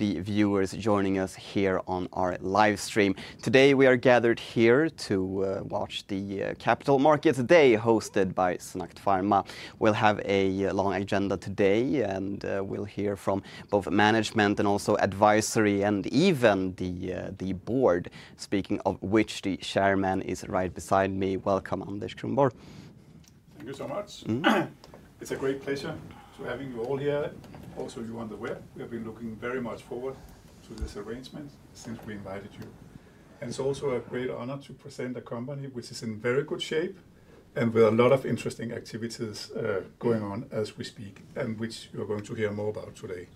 The viewers joining us here on our live stream. Today we are gathered here to watch the Capital Markets Day, hosted by SynAct Pharma. We'll have a long agenda today, and we'll hear from both management and also advisory, and even the board, speaking of which the Chairman is right beside me. Welcome, Anders Kronborg. Thank you so much. It's a great pleasure to have you all here. Also, you are on the web. We have been looking very much forward to this arrangement since we invited you. It's also a great honor to present a company which is in very good shape and with a lot of interesting activities going on as we speak, and which you're going to hear more about today.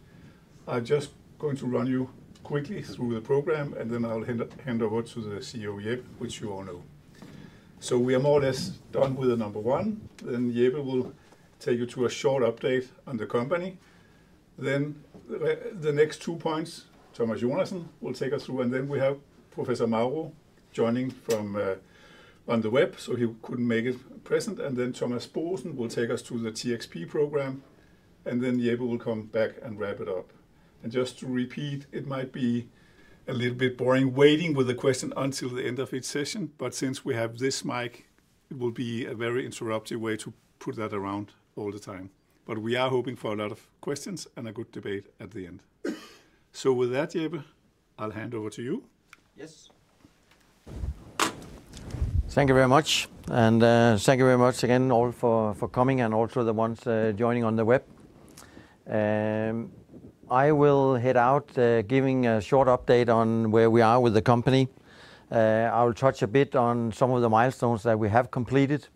I'm just going to run you quickly through the program, and then I'll hand over to the CEO Jeppe, which you all know. We are more or less done with the number one. Jeppe will take you to a short update on the company. The next two points, Thomas Jonassen will take us through, and then we have Professor Mauro joining from on the web, so he couldn't make it present. Then Thomas Boesen will take us to the TXP program, and then Jeppe will come back and wrap it up. Just to repeat, it might be a little bit boring waiting with a question until the end of each session, but since we have this mic, it will be a very interruptive way to put that around all the time. We are hoping for a lot of questions and a good debate at the end. With that, Jeppe, I'll hand over to you. Yes. Thank you very much, and thank you very much again all for coming, and also the ones joining on the web. I will head out giving a short update on where we are with the company. I will touch a bit on some of the milestones that we have completed,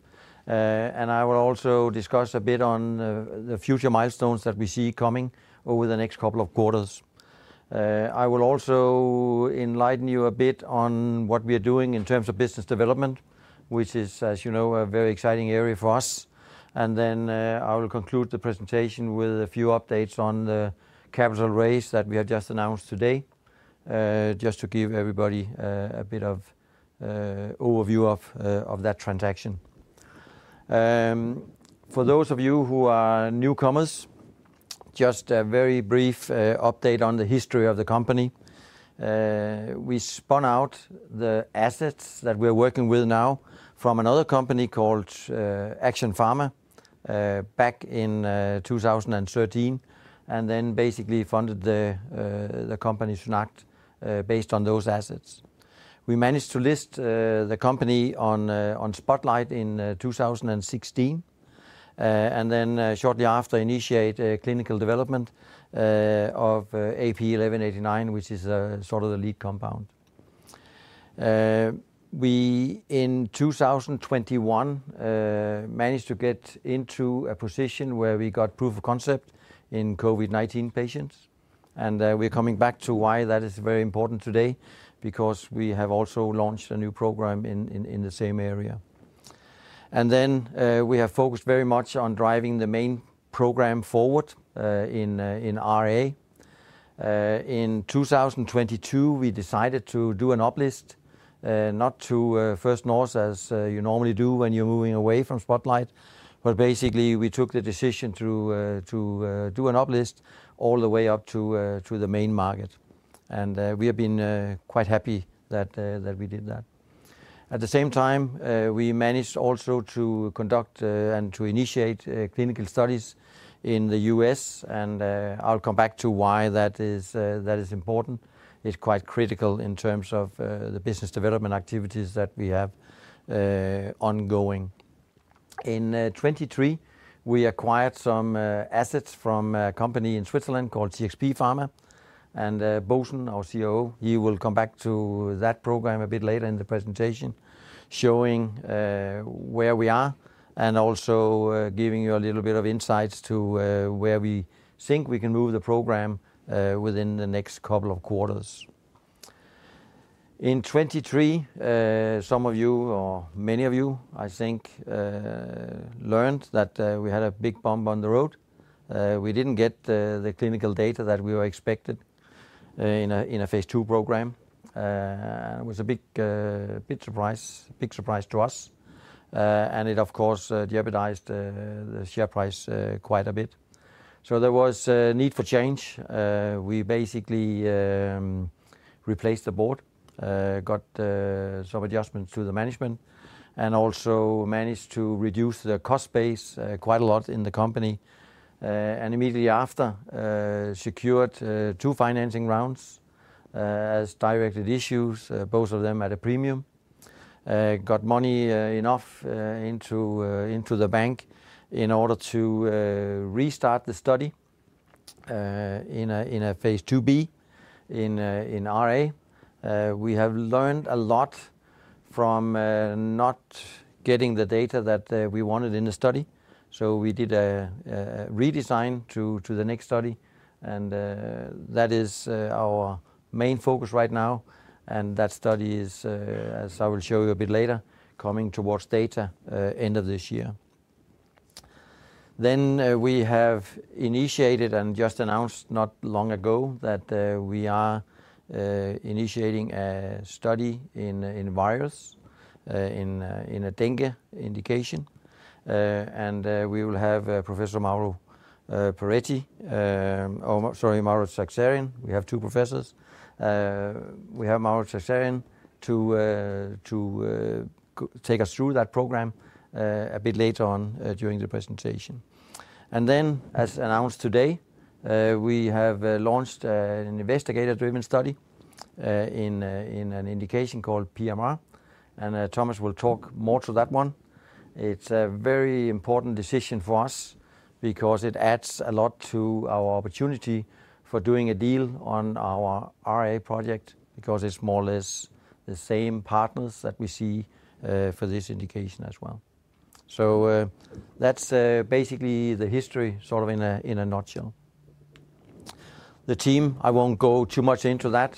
and I will also discuss a bit on the future milestones that we see coming over the next couple of quarters. I will also enlighten you a bit on what we are doing in terms of business development, which is, as you know, a very exciting area for us. I will conclude the presentation with a few updates on the capital raise that we have just announced today, just to give everybody a bit of overview of that transaction. For those of you who are newcomers, just a very brief update on the history of the company. We spun out the assets that we're working with now from another company called Action Pharma back in 2013, and then basically funded the company SynAct based on those assets. We managed to list the company on Spotlight in 2016, and then shortly after initiate clinical development of AP1189, which is sort of the lead compound. We, in 2021, managed to get into a position where we got proof of concept in COVID-19 patients, and we're coming back to why that is very important today, because we have also launched a new program in the same area. We have focused very much on driving the main program forward in RA. In 2022, we decided to do an uplift, not to First North as you normally do when you're moving away from Spotlight, but basically we took the decision to do an uplift all the way up to the main market. We have been quite happy that we did that. At the same time, we managed also to conduct and to initiate clinical studies in the U.S., and I'll come back to why that is important. It's quite critical in terms of the business development activities that we have ongoing. In 2023, we acquired some assets from a company in Switzerland called TXP Pharma, and Boesen, our COO, he will come back to that program a bit later in the presentation, showing where we are and also giving you a little bit of insights to where we think we can move the program within the next couple of quarters. In 2023, some of you, or many of you, I think, learned that we had a big bump on the road. We did not get the clinical data that we were expected in a phase two program. It was a big surprise, big surprise to us, and it, of course, jeopardized the share price quite a bit. There was a need for change. We basically replaced the Board, got some adjustments to the management, and also managed to reduce the cost base quite a lot in the company. Immediately after, secured two financing rounds as directed issues, both of them at a premium. Got money enough into the bank in order to restart the study in a Phase 2B in RA. We have learned a lot from not getting the data that we wanted in the study. We did a redesign to the next study, and that is our main focus right now. That study is, as I will show you a bit later, coming towards data end of this year. We have initiated and just announced not long ago that we are initiating a study in virus in a dengue indication, and we will have Professor Mauro, sorry, Mauro Teixeira. We have two professors. We have Mauro Teixeira to take us through that program a bit later on during the presentation. As announced today, we have launched an investigator-driven study in an indication called PMR, and Thomas will talk more to that one. It's a very important decision for us because it adds a lot to our opportunity for doing a deal on our RA project, because it's more or less the same partners that we see for this indication as well. That's basically the history sort of in a nutshell. The team, I won't go too much into that.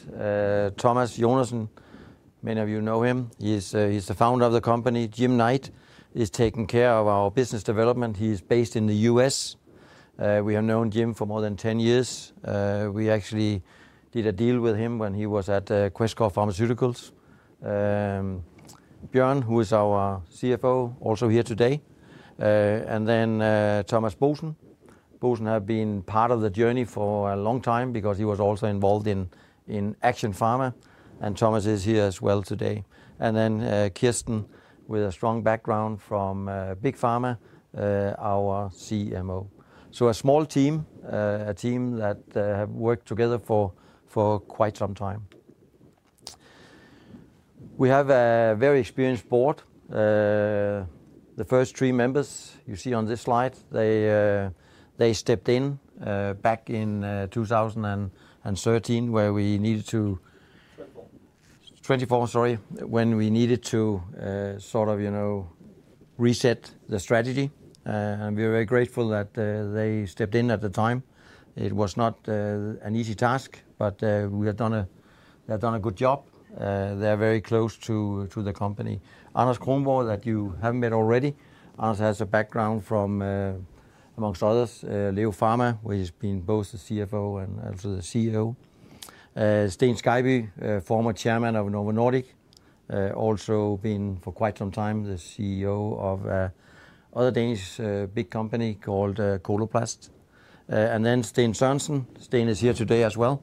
Thomas Jonassen, many of you know him. He's the Founder of the company. Jim Knight is taking care of our business development. He's based in the U.S. We have known Jim for more than 10 years. We actually did a deal with him when he was at Questcor Pharmaceuticals. Björn, who is our CFO, also here today. Then Thomas Boesen. Boesen has been part of the journey for a long time because he was also involved in Action Pharma, and Thomas is here as well today. Kirsten, with a strong background from Big Pharma, our CMO. A small team, a team that have worked together for quite some time. We have a very experienced board. The first three members you see on this slide, they stepped in back in 2013 when we needed to. 24, sorry. When we needed to sort of reset the strategy, and we're very grateful that they stepped in at the time. It was not an easy task, but they have done a good job. They're very close to the company. Anders Kronborg, that you have not met already. Anders has a background from, amongst others, LEO Pharma, where he's been both the CFO and also the CEO. Sten Scheibye, former chairman of Nordea Nordic, also been for quite some time the CEO of another Danish big company called Coloplast. Then Sten Sörensen. Sten is here today as well.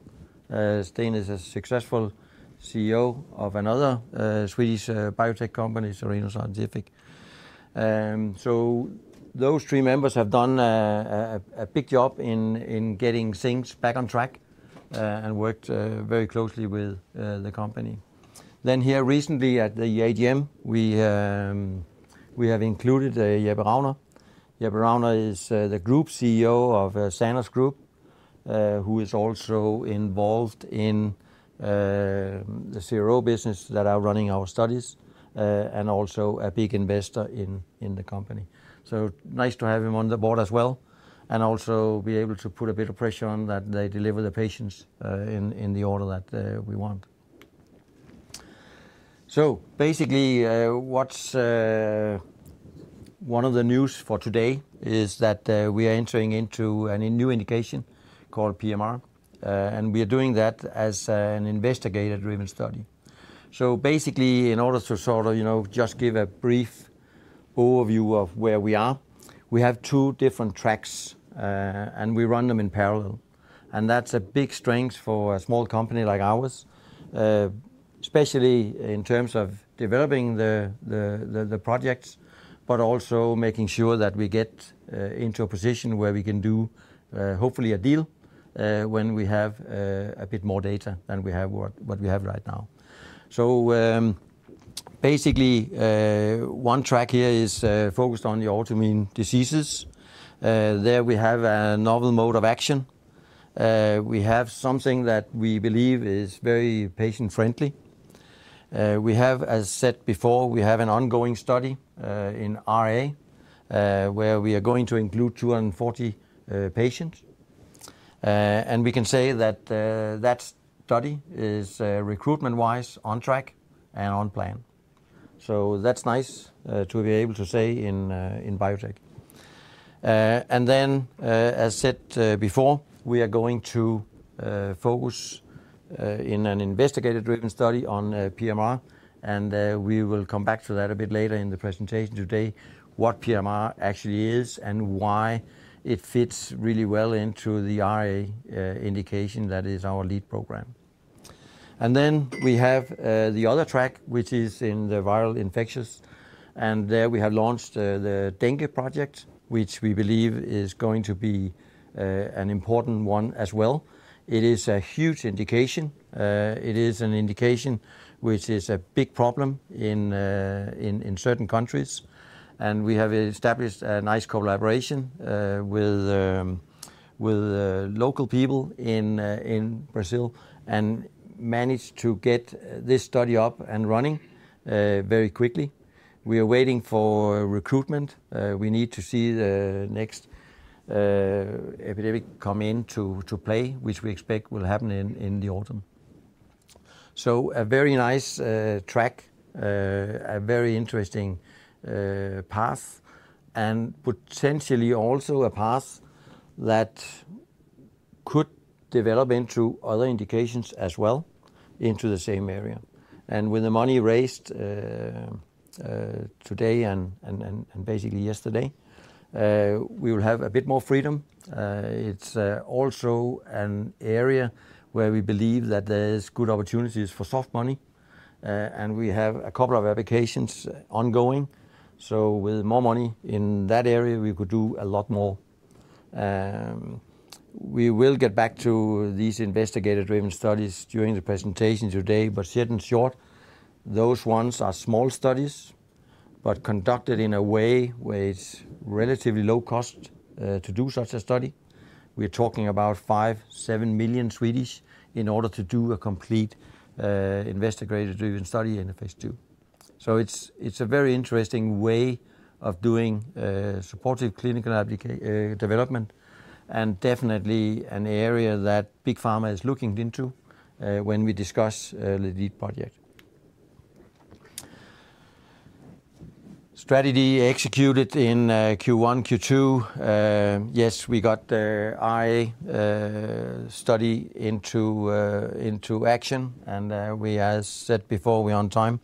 Sten is a successful CEO of another Swedish biotech company, Cereno Scientific. Those three members have done a big job in getting things back on track and worked very closely with the company. Here recently at the AGM, we have included Jeppe Ragner. Jeppe Ragner is the Group CEO of Sanos Group, who is also involved in the CRO business that are running our studies and also a big investor in the company. Nice to have him on the board as well, and also be able to put a bit of pressure on that they deliver the patients in the order that we want. Basically, what's one of the news for today is that we are entering into a new indication called PMR, and we are doing that as an investigator-driven study. Basically, in order to sort of just give a brief overview of where we are, we have two different tracks, and we run them in parallel. That's a big strength for a small company like ours, especially in terms of developing the projects, but also making sure that we get into a position where we can do hopefully a deal when we have a bit more data than we have right now. Basically, one track here is focused on the autoimmune diseases. There we have a novel mode of action. We have something that we believe is very patient-friendly. As said before, we have an ongoing study in RA where we are going to include 240 patients, and we can say that that study is recruitment-wise on track and on plan. That's nice to be able to say in biotech. As said before, we are going to focus in an investigator-driven study on PMR, and we will come back to that a bit later in the presentation today, what PMR actually is and why it fits really well into the RA indication that is our lead program. We have the other track, which is in the viral infectious, and there we have launched the dengue project, which we believe is going to be an important one as well. It is a huge indication. It is an indication which is a big problem in certain countries, and we have established a nice collaboration with local people in Brazil and managed to get this study up and running very quickly. We are waiting for recruitment. We need to see the next epidemic come into play, which we expect will happen in the autumn. A very nice track, a very interesting path, and potentially also a path that could develop into other indications as well into the same area. With the money raised today and basically yesterday, we will have a bit more freedom. It's also an area where we believe that there's good opportunities for soft money, and we have a couple of applications ongoing. With more money in that area, we could do a lot more. We will get back to these investigator-driven studies during the presentation today, but short and short, those ones are small studies, but conducted in a way where it's relatively low cost to do such a study. We're talking about 5 million-7 million in order to do a complete investigator-driven study in a Phase II. It's a very interesting way of doing supportive clinical development and definitely an area that Big Pharma is looking into when we discuss the lead project. Strategy executed in Q1, Q2. Yes, we got the RA study into action, and we, as said before, we're on time.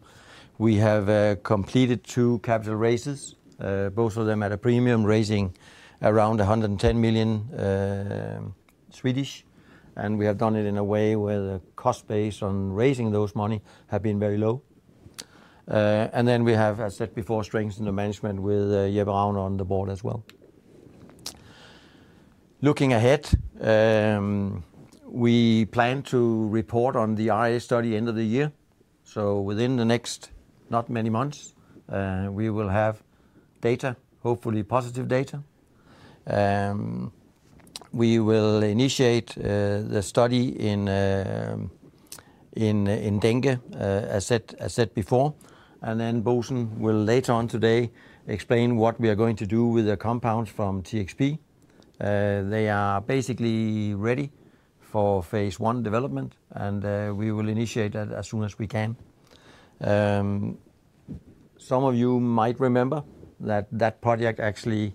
We have completed two capital raises, both of them at a premium raising around 110 million, and we have done it in a way where the cost base on raising those money has been very low. We have, as said before, strengthened the management with Jeppe Ragner on the Board as well. Looking ahead, we plan to report on the RA study end of the year. Within the next not many months, we will have data, hopefully positive data. We will initiate the study in dengue, as said before, and then Boesen will later on today explain what we are going to do with the compounds from TXP. They are basically ready for Phase I development, and we will initiate that as soon as we can. Some of you might remember that that project actually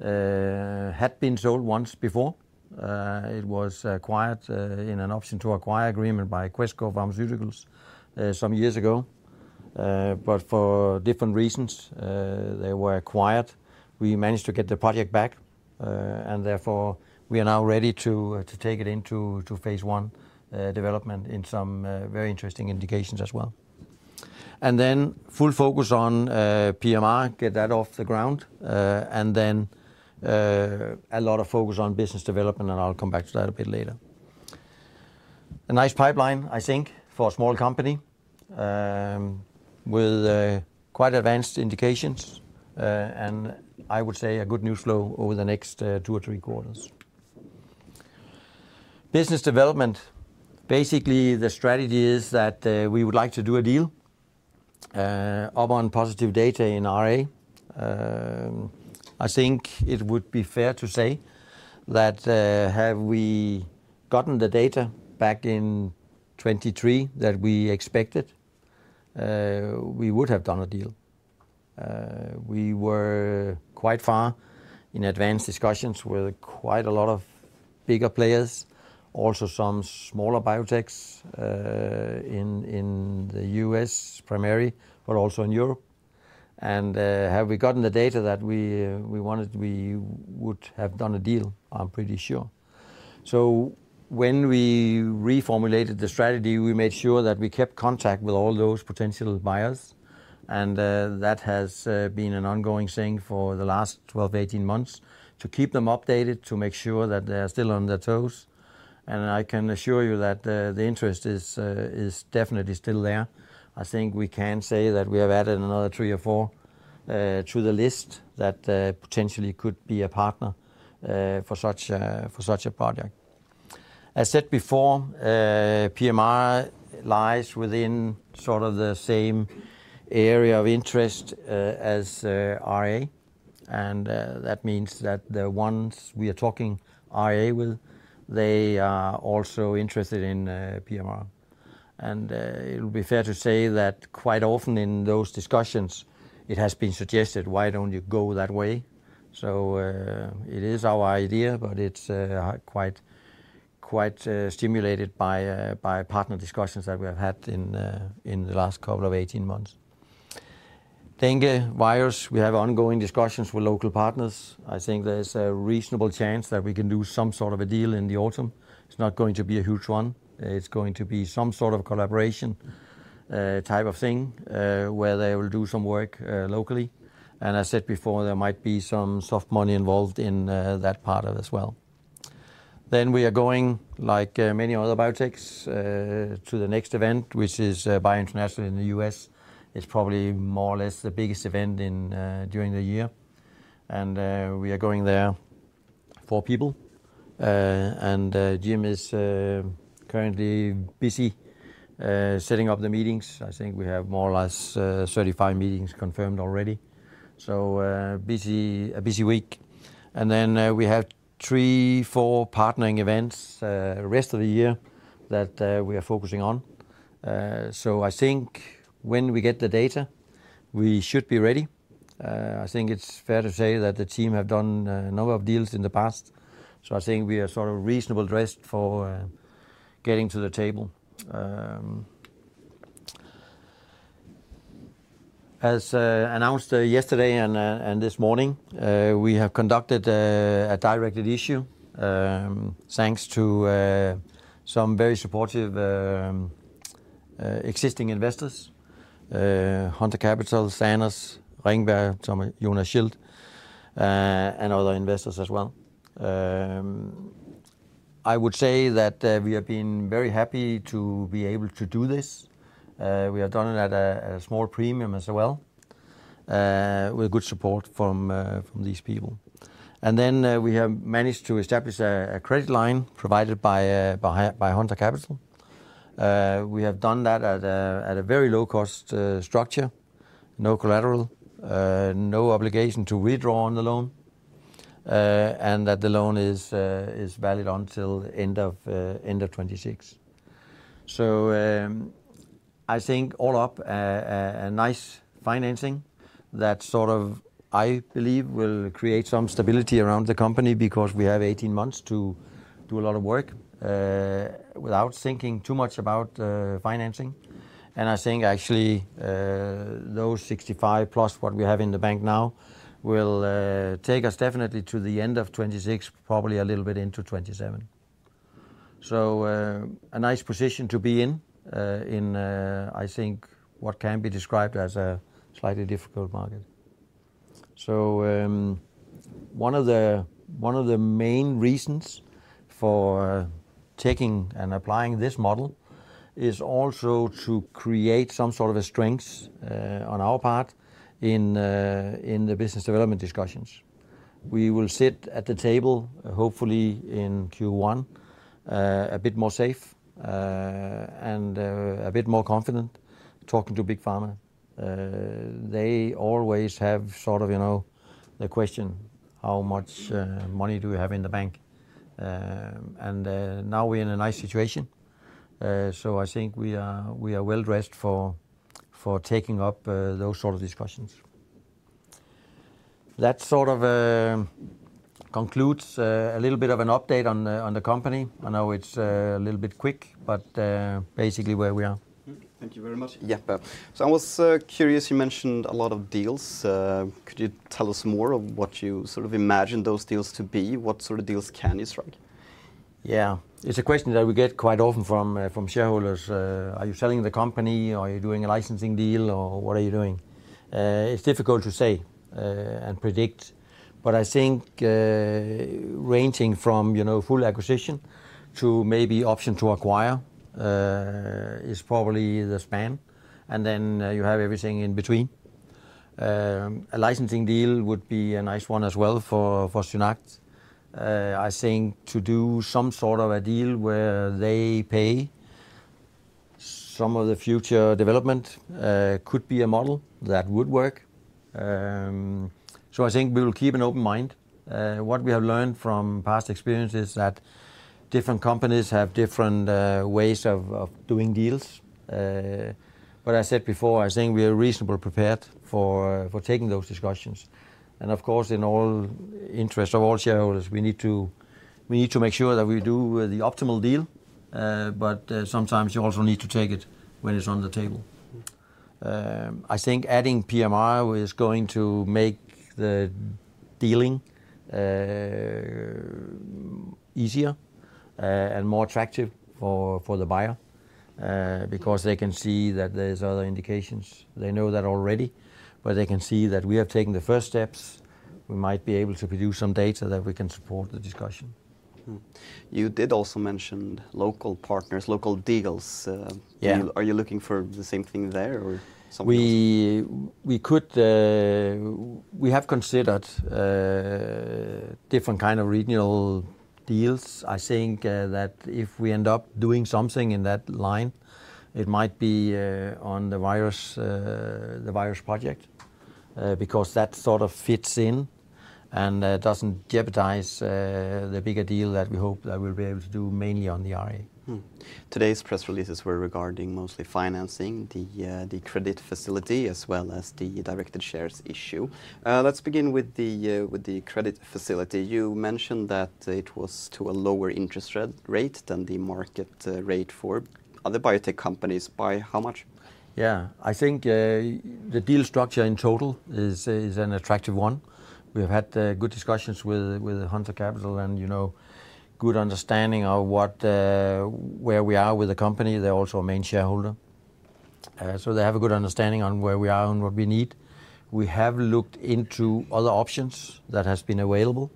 had been sold once before. It was acquired in an option to acquire agreement by Questcor Pharmaceuticals some years ago, but for different reasons, they were acquired. We managed to get the project back, and therefore we are now ready to take it into Phase I development in some very interesting indications as well. Full focus on PMR, get that off the ground, and then a lot of focus on business development, and I'll come back to that a bit later. A nice pipeline, I think, for a small company with quite advanced indications, and I would say a good news flow over the next two or three quarters. Business development, basically the strategy is that we would like to do a deal up on positive data in RA. I think it would be fair to say that have we gotten the data back in 2023 that we expected, we would have done a deal. We were quite far in advanced discussions with quite a lot of bigger players, also some smaller biotechs in the U.S. primarily, but also in Europe. Have we gotten the data that we wanted, we would have done a deal, I'm pretty sure. When we reformulated the strategy, we made sure that we kept contact with all those potential buyers, and that has been an ongoing thing for the last 12-18 months to keep them updated to make sure that they are still on their toes. I can assure you that the interest is definitely still there. I think we can say that we have added another three or four to the list that potentially could be a partner for such a project. As said before, PMR lies within sort of the same area of interest as RA, and that means that the ones we are talking RA with, they are also interested in PMR. It would be fair to say that quite often in those discussions, it has been suggested, why do not you go that way? It is our idea, but it's quite stimulated by partner discussions that we have had in the last couple of 18 months. Dengue virus, we have ongoing discussions with local partners. I think there's a reasonable chance that we can do some sort of a deal in the autumn. It's not going to be a huge one. It's going to be some sort of collaboration type of thing where they will do some work locally. As said before, there might be some soft money involved in that part of it as well. We are going, like many other biotechs, to the next event, which is Bio International in the U.S. It's probably more or less the biggest event during the year, and we are going there for people. Jim is currently busy setting up the meetings. I think we have more or less 35 meetings confirmed already. Busy week. Then we have three, four partnering events the rest of the year that we are focusing on. I think when we get the data, we should be ready. I think it's fair to say that the team have done a number of deals in the past. I think we are sort of reasonably dressed for getting to the table. As announced yesterday and this morning, we have conducted a direct issue thanks to some very supportive existing investors, Hunter Capital, Sanos Group, Ringberg, Jonas Schild, and other investors as well. I would say that we have been very happy to be able to do this. We have done it at a small premium as well with good support from these people. We have managed to establish a credit line provided by Hunter Capital. We have done that at a very low-cost structure, no collateral, no obligation to redraw on the loan, and the loan is valid until the end of 2026. I think all up, a nice financing that I believe will create some stability around the company because we have 18 months to do a lot of work without thinking too much about financing. I think actually those 65 million+ what we have in the bank now will take us definitely to the end of 2026, probably a little bit into 2027. A nice position to be in, in what can be described as a slightly difficult market. One of the main reasons for taking and applying this model is also to create some sort of a strength on our part in the business development discussions. We will sit at the table, hopefully in Q1, a bit more safe and a bit more confident talking to Big Pharma. They always have sort of the question, how much money do we have in the bank? Now we're in a nice situation. I think we are well dressed for taking up those sort of discussions. That sort of concludes a little bit of an update on the company. I know it's a little bit quick, but basically where we are. Thank you very much. Yeah. I was curious, you mentioned a lot of deals. Could you tell us more of what you sort of imagine those deals to be? What sort of deals can you strike? Yeah. It's a question that we get quite often from shareholders. Are you selling the company? Are you doing a licensing deal? Or what are you doing? It's difficult to say and predict, but I think ranging from full acquisition to maybe option to acquire is probably the span. You have everything in between. A licensing deal would be a nice one as well for SynAct. I think to do some sort of a deal where they pay some of the future development could be a model that would work. I think we will keep an open mind. What we have learned from past experience is that different companies have different ways of doing deals. As said before, I think we are reasonably prepared for taking those discussions. Of course, in all interests of all shareholders, we need to make sure that we do the optimal deal, but sometimes you also need to take it when it's on the table. I think adding PMR is going to make the dealing easier and more attractive for the buyer because they can see that there's other indications. They know that already, but they can see that we have taken the first steps. We might be able to produce some data that we can support the discussion. You did also mention local partners, local deals. Are you looking for the same thing there or something? We have considered different kinds of regional deals. I think that if we end up doing something in that line, it might be on the virus project because that sort of fits in and does not jeopardize the bigger deal that we hope that we will be able to do mainly on the RA. Today's press releases were regarding mostly financing, the credit facility, as well as the directed shares issue. Let's begin with the credit facility. You mentioned that it was to a lower interest rate than the market rate for other biotech companies. By how much? Yeah. I think the deal structure in total is an attractive one. We have had good discussions with Hunter Capital and good understanding of where we are with the company. They are also a main shareholder. So they have a good understanding on where we are and what we need. We have looked into other options that have been available,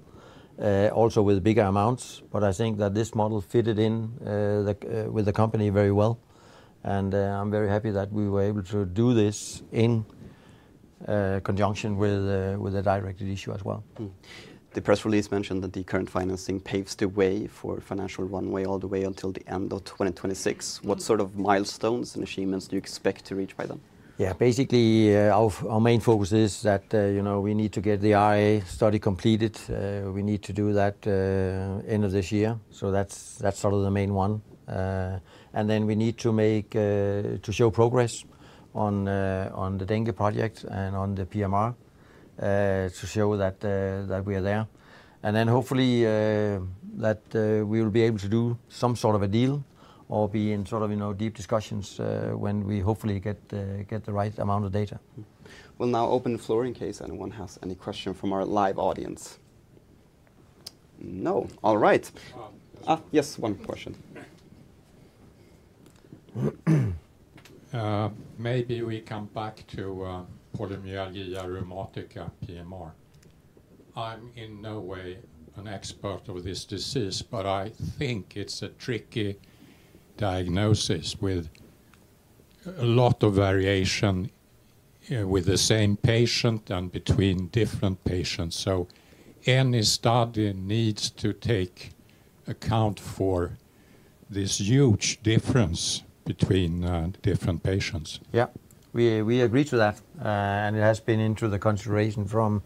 also with bigger amounts, but I think that this model fitted in with the company very well. I am very happy that we were able to do this in conjunction with a directed issue as well. The press release mentioned that the current financing paves the way for financial runway all the way until the end of 2026. What sort of milestones and achievements do you expect to reach by then? Yeah. Basically, our main focus is that we need to get the RA study completed. We need to do that end of this year. That is sort of the main one. We need to show progress on the dengue project and on the PMR to show that we are there. Hopefully, we will be able to do some sort of a deal or be in sort of deep discussions when we hopefully get the right amount of data. We'll now open the floor in case anyone has any question from our live audience. No. All right. Yes, one question. Maybe we come back to polymyalgia rheumatica, PMR. I'm in no way an expert of this disease, but I think it's a tricky diagnosis with a lot of variation with the same patient and between different patients. Any study needs to take account for this huge difference between different patients. Yeah. We agree to that. It has been into the consideration from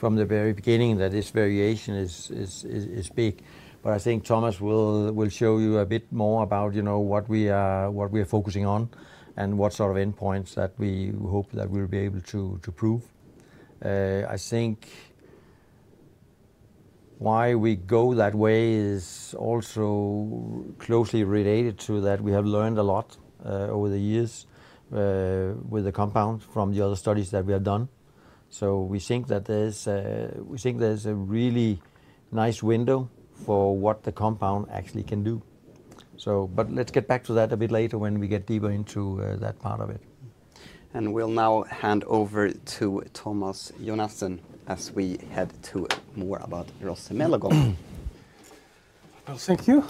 the very beginning that this variation is big. I think Thomas will show you a bit more about what we are focusing on and what sort of endpoints that we hope that we'll be able to prove. I think why we go that way is also closely related to that we have learned a lot over the years with the compound from the other studies that we have done. We think that there's a really nice window for what the compound actually can do. Let's get back to that a bit later when we get deeper into that part of it. We'll now hand over to Thomas Jonassen as we head to more about resomelagon. Thank you.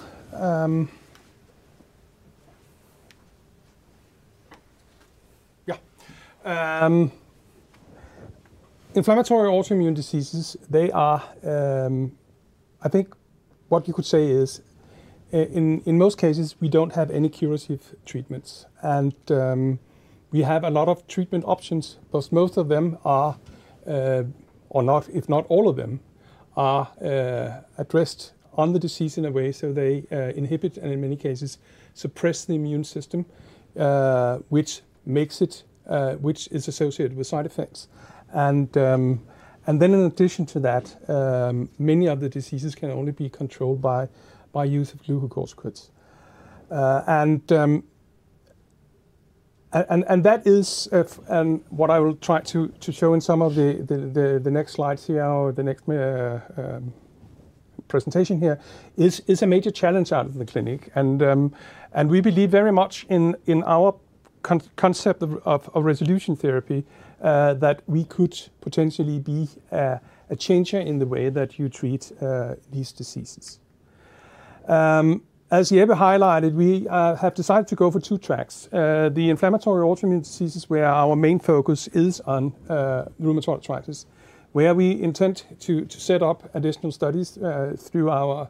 Yeah. Inflammatory autoimmune diseases, they are, I think what you could say is in most cases, we don't have any curative treatments. We have a lot of treatment options, but most of them are, or if not all of them, are addressed on the disease in a way. They inhibit and in many cases suppress the immune system, which is associated with side effects. In addition to that, many of the diseases can only be controlled by use of glucocorticoids. That is what I will try to show in some of the next slides here or the next presentation here is a major challenge out of the clinic. We believe very much in our concept of resolution therapy that we could potentially be a changer in the way that you treat these diseases. As you highlighted, we have decided to go for two tracks. The inflammatory autoimmune diseases where our main focus is on rheumatoid arthritis, where we intend to set up additional studies through our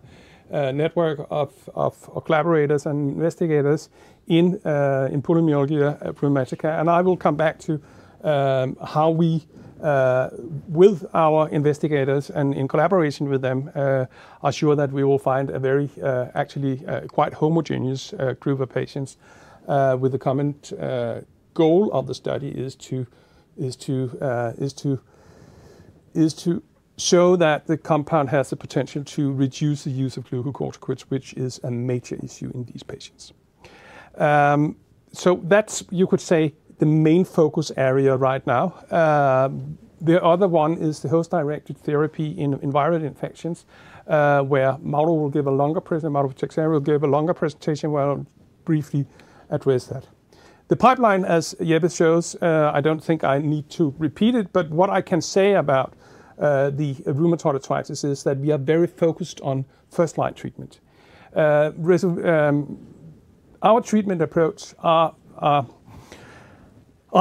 network of collaborators and investigators in polymyalgia rheumatica. I will come back to how we, with our investigators and in collaboration with them, are sure that we will find a very actually quite homogeneous group of patients with the common goal of the study is to show that the compound has the potential to reduce the use of glucocorticoids, which is a major issue in these patients. That is, you could say, the main focus area right now. The other one is the host-directed therapy in environmental infections, where Mauro will give a longer presentation. Mauro Teixeira will give a longer presentation where I'll briefly address that. The pipeline, as Jeppe shows, I do not think I need to repeat it, but what I can say about the rheumatoid arthritis is that we are very focused on first-line treatment. Our treatment approach are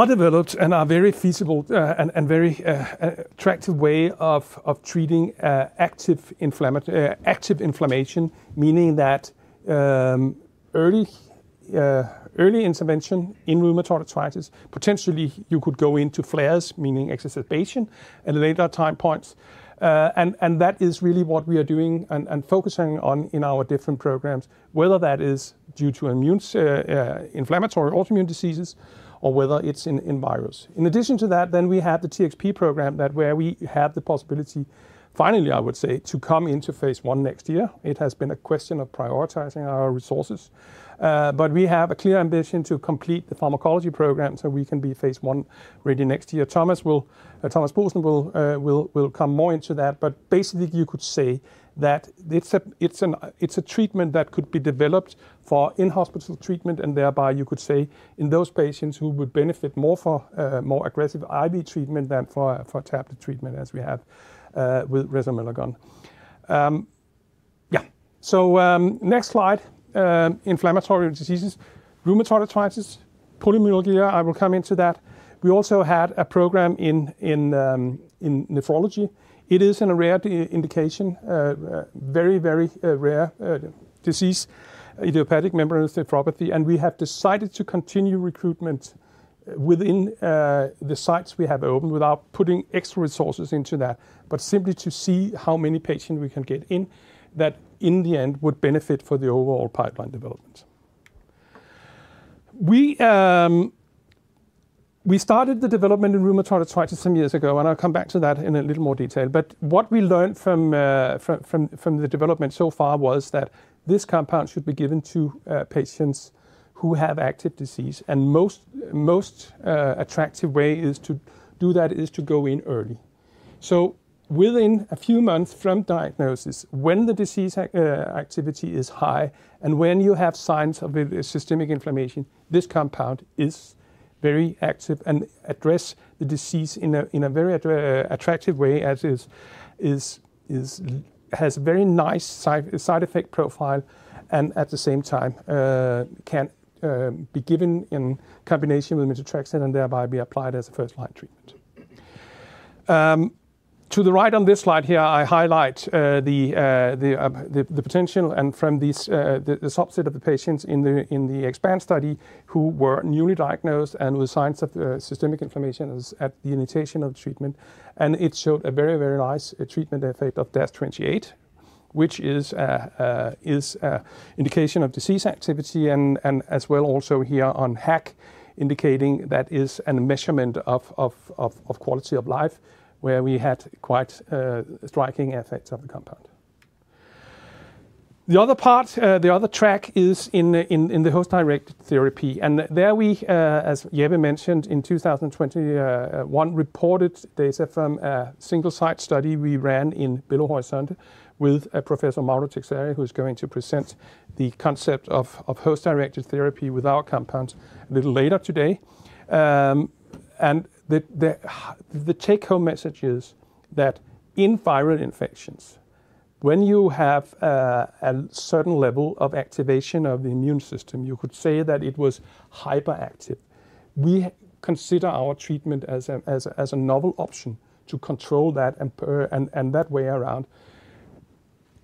developed and are a very feasible and very attractive way of treating active inflammation, meaning that early intervention in rheumatoid arthritis, potentially you could go into flares, meaning exacerbation, at later time points. That is really what we are doing and focusing on in our different programs, whether that is due to inflammatory autoimmune diseases or whether it is in virus. In addition to that, we have the TXP program where we have the possibility, finally, I would say, to come into Phase I next year. It has been a question of prioritizing our resources. We have a clear ambition to complete the pharmacology program so we can be Phase I ready next year. Thomas will come more into that. Basically, you could say that it is a treatment that could be developed for in-hospital treatment. You could say in those patients who would benefit more from more aggressive IV treatment than from tablet treatment, as we have with resomelagon. Yeah. Next slide, inflammatory diseases, rheumatoid arthritis, polymyalgia, I will come into that. We also had a program in nephrology. It is a rare indication, very, very rare disease, idiopathic membranous nephropathy. We have decided to continue recruitment within the sites we have opened without putting extra resources into that, but simply to see how many patients we can get in that in the end would benefit for the overall pipeline development. We started the development in rheumatoid arthritis some years ago, and I'll come back to that in a little more detail. What we learned from the development so far was that this compound should be given to patients who have active disease. The most attractive way to do that is to go in early. Within a few months from diagnosis, when the disease activity is high and when you have signs of systemic inflammation, this compound is very active and addresses the disease in a very attractive way, as it has a very nice side effect profile and at the same time can be given in combination with methotrexate and thereby be applied as a first-line treatment. To the right on this slide here, I highlight the potential and from the subset of the patients in the EXPAND study who were newly diagnosed and with signs of systemic inflammation at the initiation of treatment. It showed a very, very nice treatment effect of DAS28, which is an indication of disease activity and as well also here on HAQ, indicating that is a measurement of quality of life where we had quite striking effects of the compound. The other track is in the host-directed therapy. There, as Jeppe mentioned, in 2021, reported data from a single-site study we ran in Belo Horizonte Center with Professor Mauro Teixeira, who is going to present the concept of host-directed therapy with our compounds a little later today. The take-home message is that in viral infections, when you have a certain level of activation of the immune system, you could say that it was hyperactive. We consider our treatment as a novel option to control that and that way around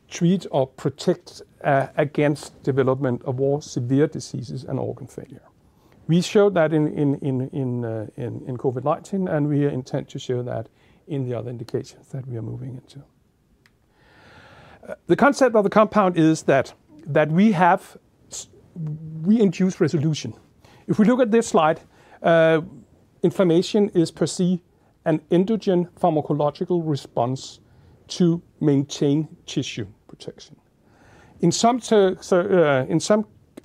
treat or protect against development of more severe diseases and organ failure. We showed that in COVID-19, and we intend to show that in the other indications that we are moving into. The concept of the compound is that we induce resolution. If we look at this slide, inflammation is per se an endogene pharmacological response to maintain tissue protection.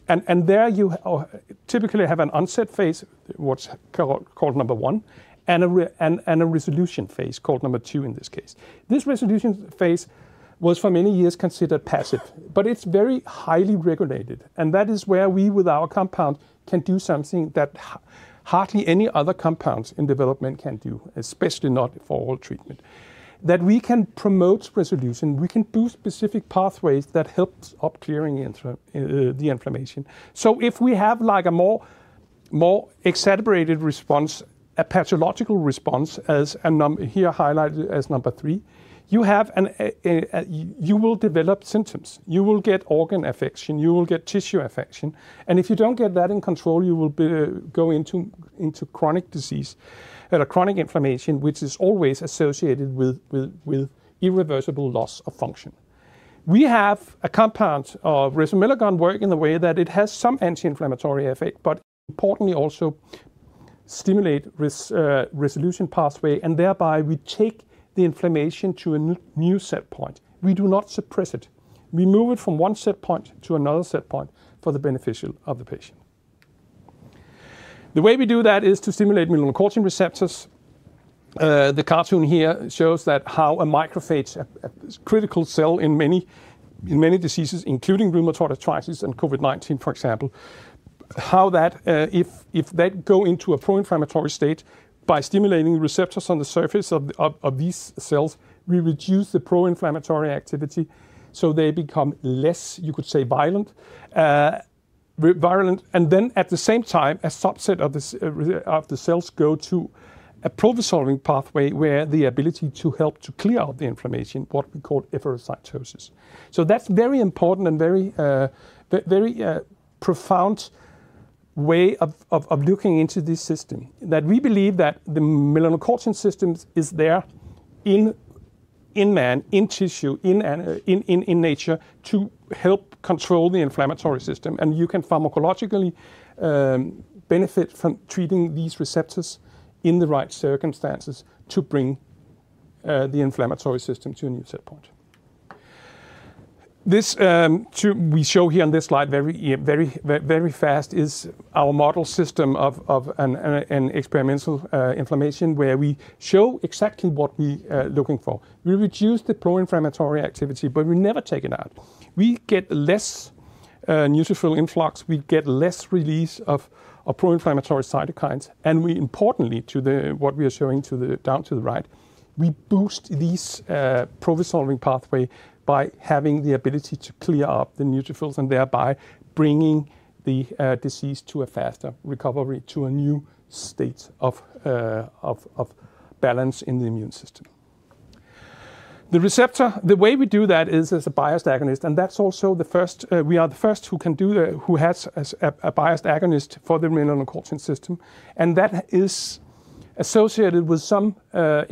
There you typically have an onset phase, what's called number one, and a resolution phase called number two in this case. This resolution phase was for many years considered passive, but it's very highly regulated. That is where we, with our compound, can do something that hardly any other compounds in development can do, especially not for all treatment, that we can promote resolution. We can do specific pathways that help up clearing the inflammation. If we have a more accelerated response, a pathological response, as here highlighted as number three, you will develop symptoms. You will get organ affection. You will get tissue affection. If you do not get that in control, you will go into chronic disease and a chronic inflammation, which is always associated with irreversible loss of function. We have a compound of resomelagon working in the way that it has some anti-inflammatory effect, but importantly, also stimulate resolution pathway. Thereby, we take the inflammation to a new set point. We do not suppress it. We move it from one set point to another set point for the benefit of the patient. The way we do that is to stimulate melanocortin receptors. The cartoon here shows how a macrophage, a critical cell in many diseases, including rheumatoid arthritis and COVID-19, for example, how that, if they go into a pro-inflammatory state by stimulating receptors on the surface of these cells, we reduce the pro-inflammatory activity so they become less, you could say, violent. At the same time, a subset of the cells go to a provisional pathway where the ability to help to clear out the inflammation, what we call efferocytosis. That is a very important and very profound way of looking into this system that we believe that the melanocortin system is there in man, in tissue, in nature to help control the inflammatory system. You can pharmacologically benefit from treating these receptors in the right circumstances to bring the inflammatory system to a new set point. This we show here on this slide very fast is our model system of an experimental inflammation where we show exactly what we are looking for. We reduce the pro-inflammatory activity, but we never take it out. We get less neutrophil influx. We get less release of pro-inflammatory cytokines. Importantly, to what we are showing down to the right, we boost these provisional pathways by having the ability to clear up the neutrophils and thereby bringing the disease to a faster recovery to a new state of balance in the immune system. The receptor, the way we do that is as a biased agonist. That is also the first. We are the first who can do, who has a biased agonist for the melanocortin system. That is associated with some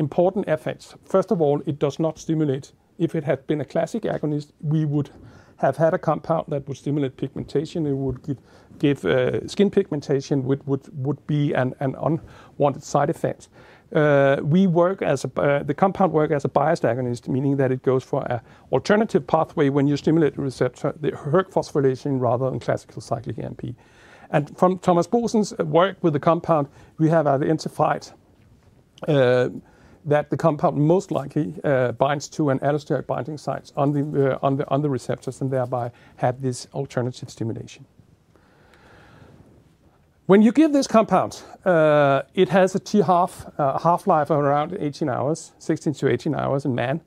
important effects. First of all, it does not stimulate. If it had been a classic agonist, we would have had a compound that would stimulate pigmentation. It would give skin pigmentation, which would be an unwanted side effect. The compound works as a biased agonist, meaning that it goes for an alternative pathway when you stimulate the receptor, the hERG phosphorylation rather than classical cyclic AMP. From Thomas Boesen's work with the compound, we have identified that the compound most likely binds to an allosteric binding site on the receptors and thereby have this alternative stimulation. When you give this compound, it has a T half-life of around 18 hours, 16-18 hours in man.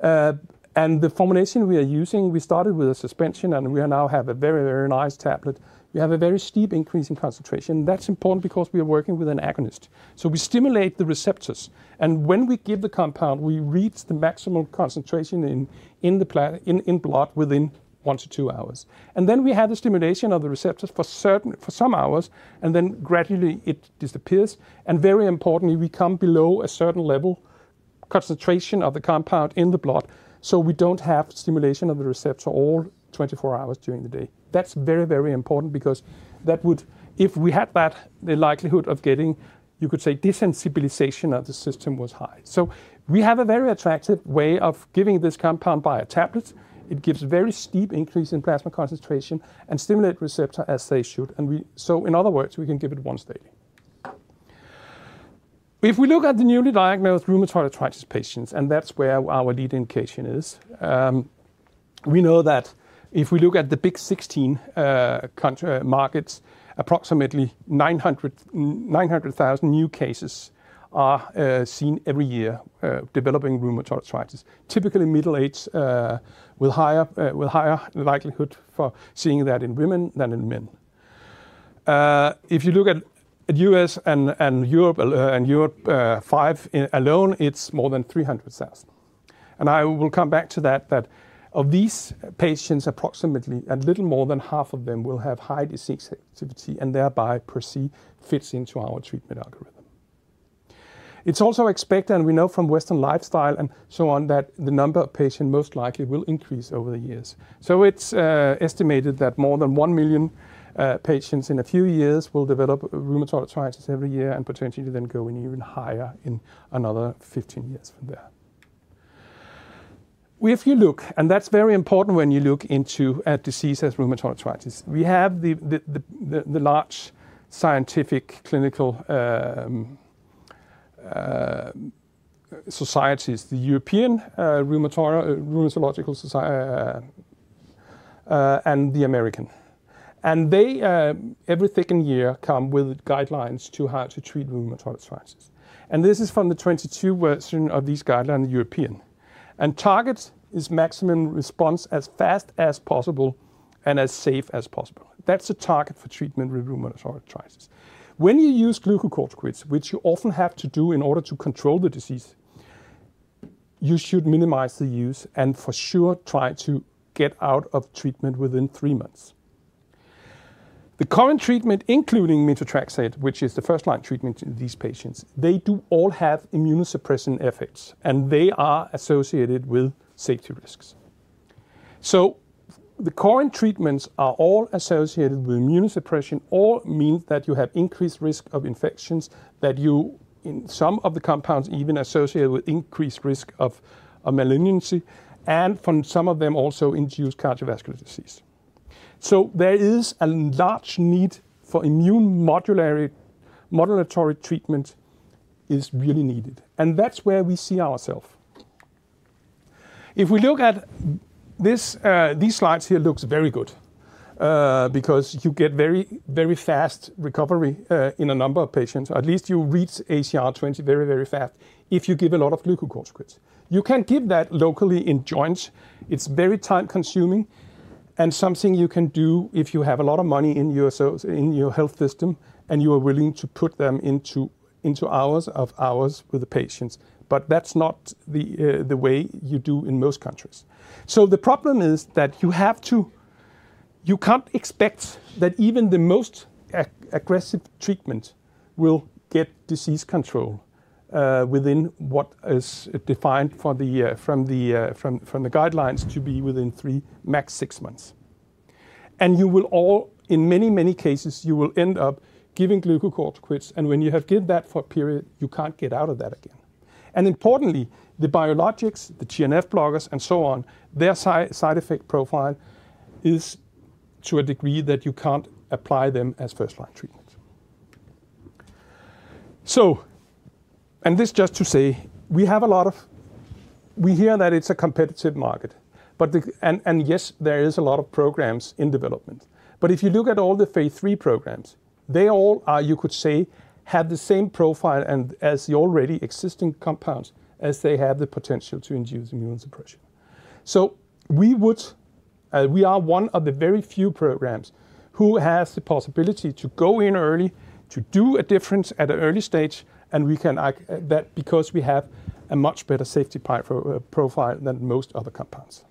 The formulation we are using, we started with a suspension, and we now have a very, very nice tablet. We have a very steep increase in concentration. That's important because we are working with an agonist. So we stimulate the receptors. When we give the compound, we reach the maximum concentration in blood within one to two hours. We have the stimulation of the receptors for some hours, and then gradually it disappears. Very importantly, we come below a certain level concentration of the compound in the blood. We do not have stimulation of the receptor all 24 hours during the day. That's very, very important because if we had that, the likelihood of getting, you could say, desensitization of the system was high. We have a very attractive way of giving this compound by a tablet. It gives a very steep increase in plasma concentration and stimulates receptors as they should. In other words, we can give it once daily. If we look at the newly diagnosed rheumatoid arthritis patients, and that's where our lead indication is, we know that if we look at the big 16 markets, approximately 900,000 new cases are seen every year developing rheumatoid arthritis, typically middle-aged with higher likelihood for seeing that in women than in men. If you look at U.S. and Europe and Europe 5 alone, it's more than 300,000. I will come back to that, that of these patients, approximately a little more than half of them will have high disease activity and thereby per se fits into our treatment algorithm. It's also expected, and we know from Western lifestyle and so on, that the number of patients most likely will increase over the years. It's estimated that more than 1 million patients in a few years will develop rheumatoid arthritis every year and potentially then go even higher in another 15 years from there. If you look, and that's very important when you look into a disease as rheumatoid arthritis, we have the large scientific clinical societies, the European Rheumatological Society and the American. They every second year come with guidelines to how to treat rheumatoid arthritis. This is from the 2022 version of these guidelines, European. Target is maximum response as fast as possible and as safe as possible. That's the target for treatment with rheumatoid arthritis. When you use glucocorticoids, which you often have to do in order to control the disease, you should minimize the use and for sure try to get out of treatment within three months. The current treatment, including methotrexate, which is the first-line treatment in these patients, they do all have immunosuppression effects, and they are associated with safety risks. The current treatments are all associated with immunosuppression, all means that you have increased risk of infections that you, in some of the compounds, even associate with increased risk of malignancy. From some of them, also induce cardiovascular disease. There is a large need for immune modulatory treatment is really needed. That's where we see ourselves. If we look at these slides here, it looks very good because you get very, very fast recovery in a number of patients. At least you reach ACR20 very, very fast if you give a lot of glucocorticoids. You can give that locally in joints. It's very time-consuming and something you can do if you have a lot of money in your health system and you are willing to put them into hours of hours with the patients. That's not the way you do in most countries. The problem is that you can't expect that even the most aggressive treatment will get disease control within what is defined from the guidelines to be within three, max six months. You will all, in many, many cases, end up giving glucocorticoids. When you have given that for a period, you can't get out of that again. Importantly, the biologics, the TNF-blockers and so on, their side effect profile is to a degree that you can't apply them as first-line treatment. This just to say, we have a lot of we hear that it's a competitive market. Yes, there is a lot of programs in development. If you look at all the phase three programs, they all are, you could say, have the same profile as the already existing compounds as they have the potential to induce immune suppression. We are one of the very few programs who has the possibility to go in early to do a difference at an early stage. We can act that because we have a much better safety profile than most other compounds.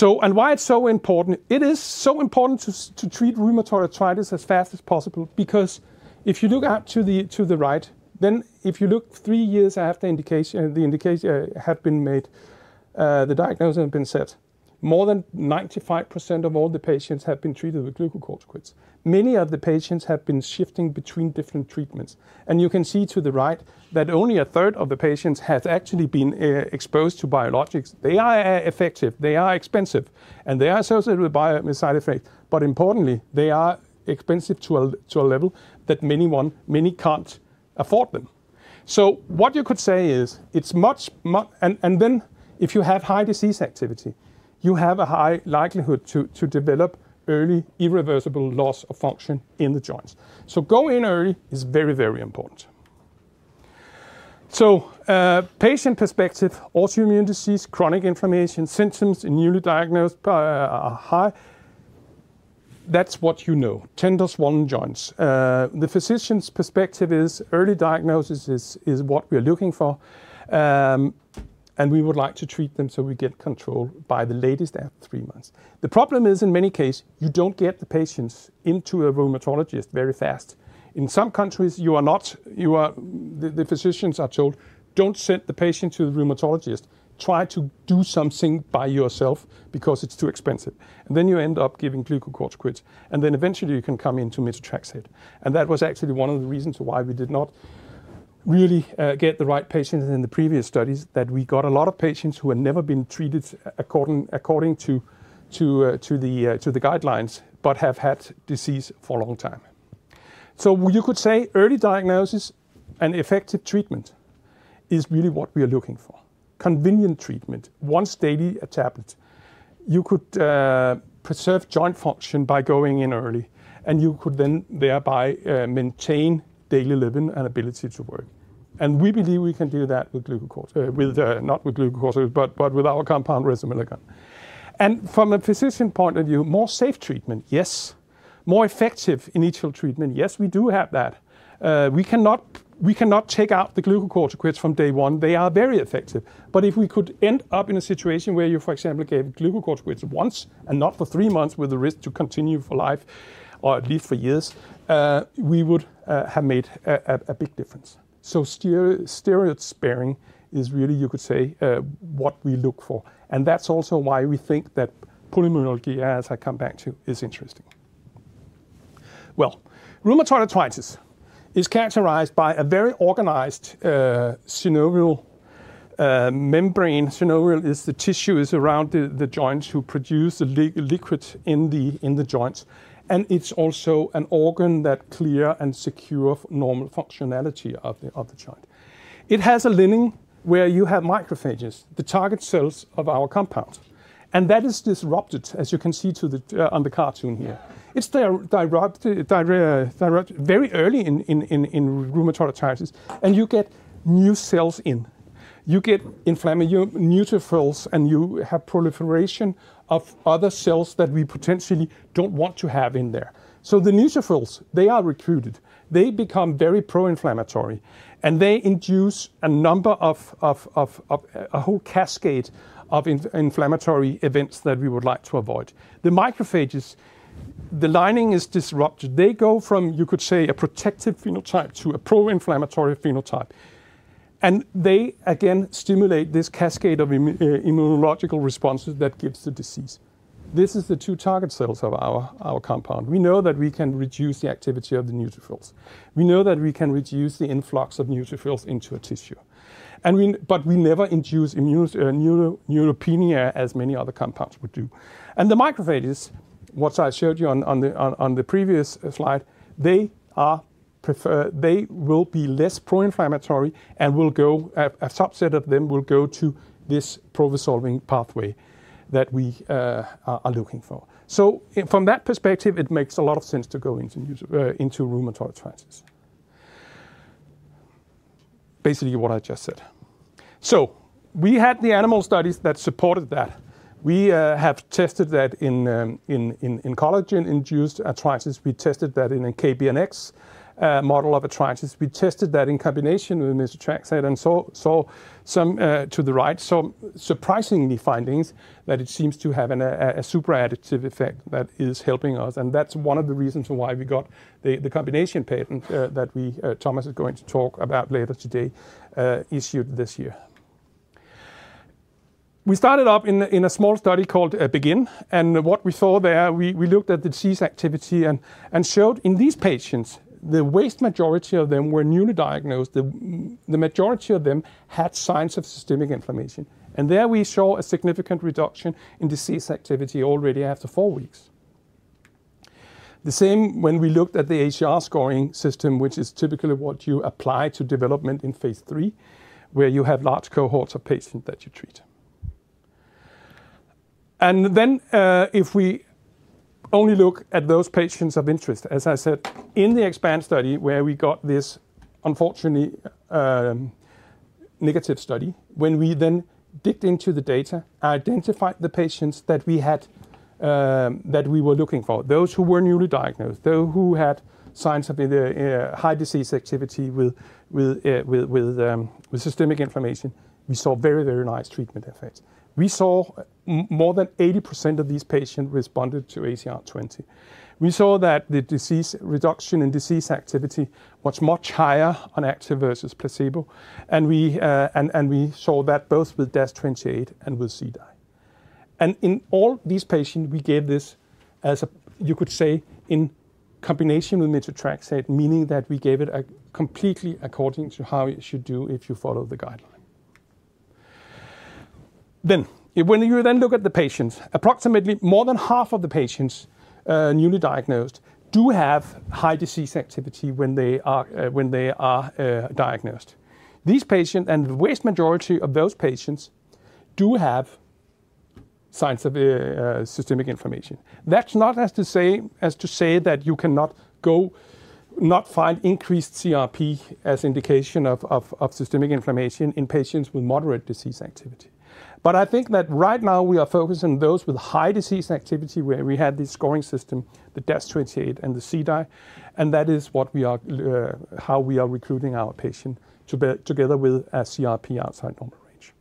Why is it so important? It is so important to treat rheumatoid arthritis as fast as possible because if you look out to the right, if you look three years after the indication had been made, the diagnosis had been set, more than 95% of all the patients have been treated with glucocorticoids. Many of the patients have been shifting between different treatments. You can see to the right that only a third of the patients have actually been exposed to biologics. They are effective. They are expensive. They are associated with side effects. Importantly, they are expensive to a level that many can't afford them. What you could say is it's much, and then if you have high disease activity, you have a high likelihood to develop early irreversible loss of function in the joints. Going early is very, very important. Patient perspective, autoimmune disease, chronic inflammation, symptoms in newly diagnosed are high. That's what you know, 10+1 joints. The physician's perspective is early diagnosis is what we are looking for. We would like to treat them so we get control by the latest after three months. The problem is in many cases, you don't get the patients into a rheumatologist very fast. In some countries, the physicians are told, don't send the patient to the rheumatologist. Try to do something by yourself because it's too expensive. You end up giving glucocorticoids. Eventually, you can come into methotrexate. That was actually one of the reasons why we did not really get the right patients in the previous studies, that we got a lot of patients who had never been treated according to the guidelines but have had disease for a long time. You could say early diagnosis and effective treatment is really what we are looking for. Convenient treatment, once daily a tablet. You could preserve joint function by going in early. You could then thereby maintain daily living and ability to work. We believe we can do that with glucocorticoids, not with glucocorticoids, but with our compound resomelagon. From a physician point of view, more safe treatment, yes. More effective initial treatment, yes, we do have that. We cannot take out the glucocorticoids from day one. They are very effective. If we could end up in a situation where you, for example, gave glucocorticoids once and not for three months with a risk to continue for life or at least for years, we would have made a big difference. Steroid sparing is really, you could say, what we look for. That is also why we think that pulmonology, as I come back to, is interesting. Rheumatoid arthritis is characterized by a very organized synovial membrane. Synovial is the tissue around the joints that produces the liquid in the joints. It is also an organ that clears and secures normal functionality of the joint. It has a lining where you have macrophages, the target cells of our compound. That is disrupted, as you can see on the cartoon here. It is disrupted very early in rheumatoid arthritis. You get new cells in. You get inflammation, neutrophils, and you have proliferation of other cells that we potentially do not want to have in there. The neutrophils, they are recruited. They become very pro-inflammatory. They induce a whole cascade of inflammatory events that we would like to avoid. The macrophages, the lining is disrupted. They go from, you could say, a protective phenotype to a pro-inflammatory phenotype. They, again, stimulate this cascade of immunological responses that gives the disease. These are the two target cells of our compound. We know that we can reduce the activity of the neutrophils. We know that we can reduce the influx of neutrophils into a tissue. We never induce neutropenia as many other compounds would do. The macrophages, what I showed you on the previous slide, they will be less pro-inflammatory and a subset of them will go to this pro-resolving pathway that we are looking for. From that perspective, it makes a lot of sense to go into rheumatoid arthritis. Basically, what I just said. We had the animal studies that supported that. We have tested that in collagen-induced arthritis. We tested that in a KBNX model of arthritis. We tested that in combination with methotrexate and saw some, to the right, some surprising findings that it seems to have a super additive effect that is helping us. That's one of the reasons why we got the combination patent that Thomas is going to talk about later today, issued this year. We started off in a small study called BEGIN. What we saw there, we looked at the disease activity and showed in these patients, the vast majority of them were newly diagnosed. The majority of them had signs of systemic inflammation. There we saw a significant reduction in disease activity already after four weeks. The same when we looked at the ACR scoring system, which is typically what you apply to development in Phase 3, where you have large cohorts of patients that you treat. If we only look at those patients of interest, as I said, in the expand study where we got this unfortunately negative study, when we then dipped into the data, identified the patients that we were looking for, those who were newly diagnosed, those who had signs of high disease activity with systemic inflammation, we saw very, very nice treatment effects. We saw more than 80% of these patients responded to ACR20. We saw that the reduction in disease activity was much higher on active versus placebo. We saw that both with DAS28 and with CDAI. In all these patients, we gave this as a, you could say, in combination with methotrexate, meaning that we gave it completely according to how you should do if you follow the guideline. When you then look at the patients, approximately more than half of the patients newly diagnosed do have high disease activity when they are diagnosed. These patients and the vast majority of those patients do have signs of systemic inflammation. That's not to say that you cannot find increased CRP as indication of systemic inflammation in patients with moderate disease activity. I think that right now we are focusing on those with high disease activity where we had this scoring system, the DAS28 and the CDAI. That is how we are recruiting our patients together with a CRP outside normal range.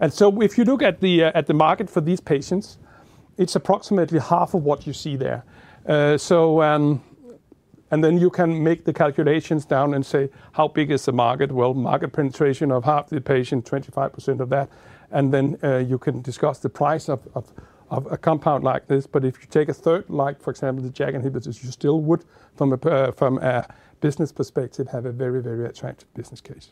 If you look at the market for these patients, it's approximately half of what you see there. You can make the calculations down and say, how big is the market? Market penetration of half the patient, 25% of that. You can discuss the price of a compound like this. If you take a third, like for example, the JAK inhibitors, you still would, from a business perspective, have a very, very attractive business case.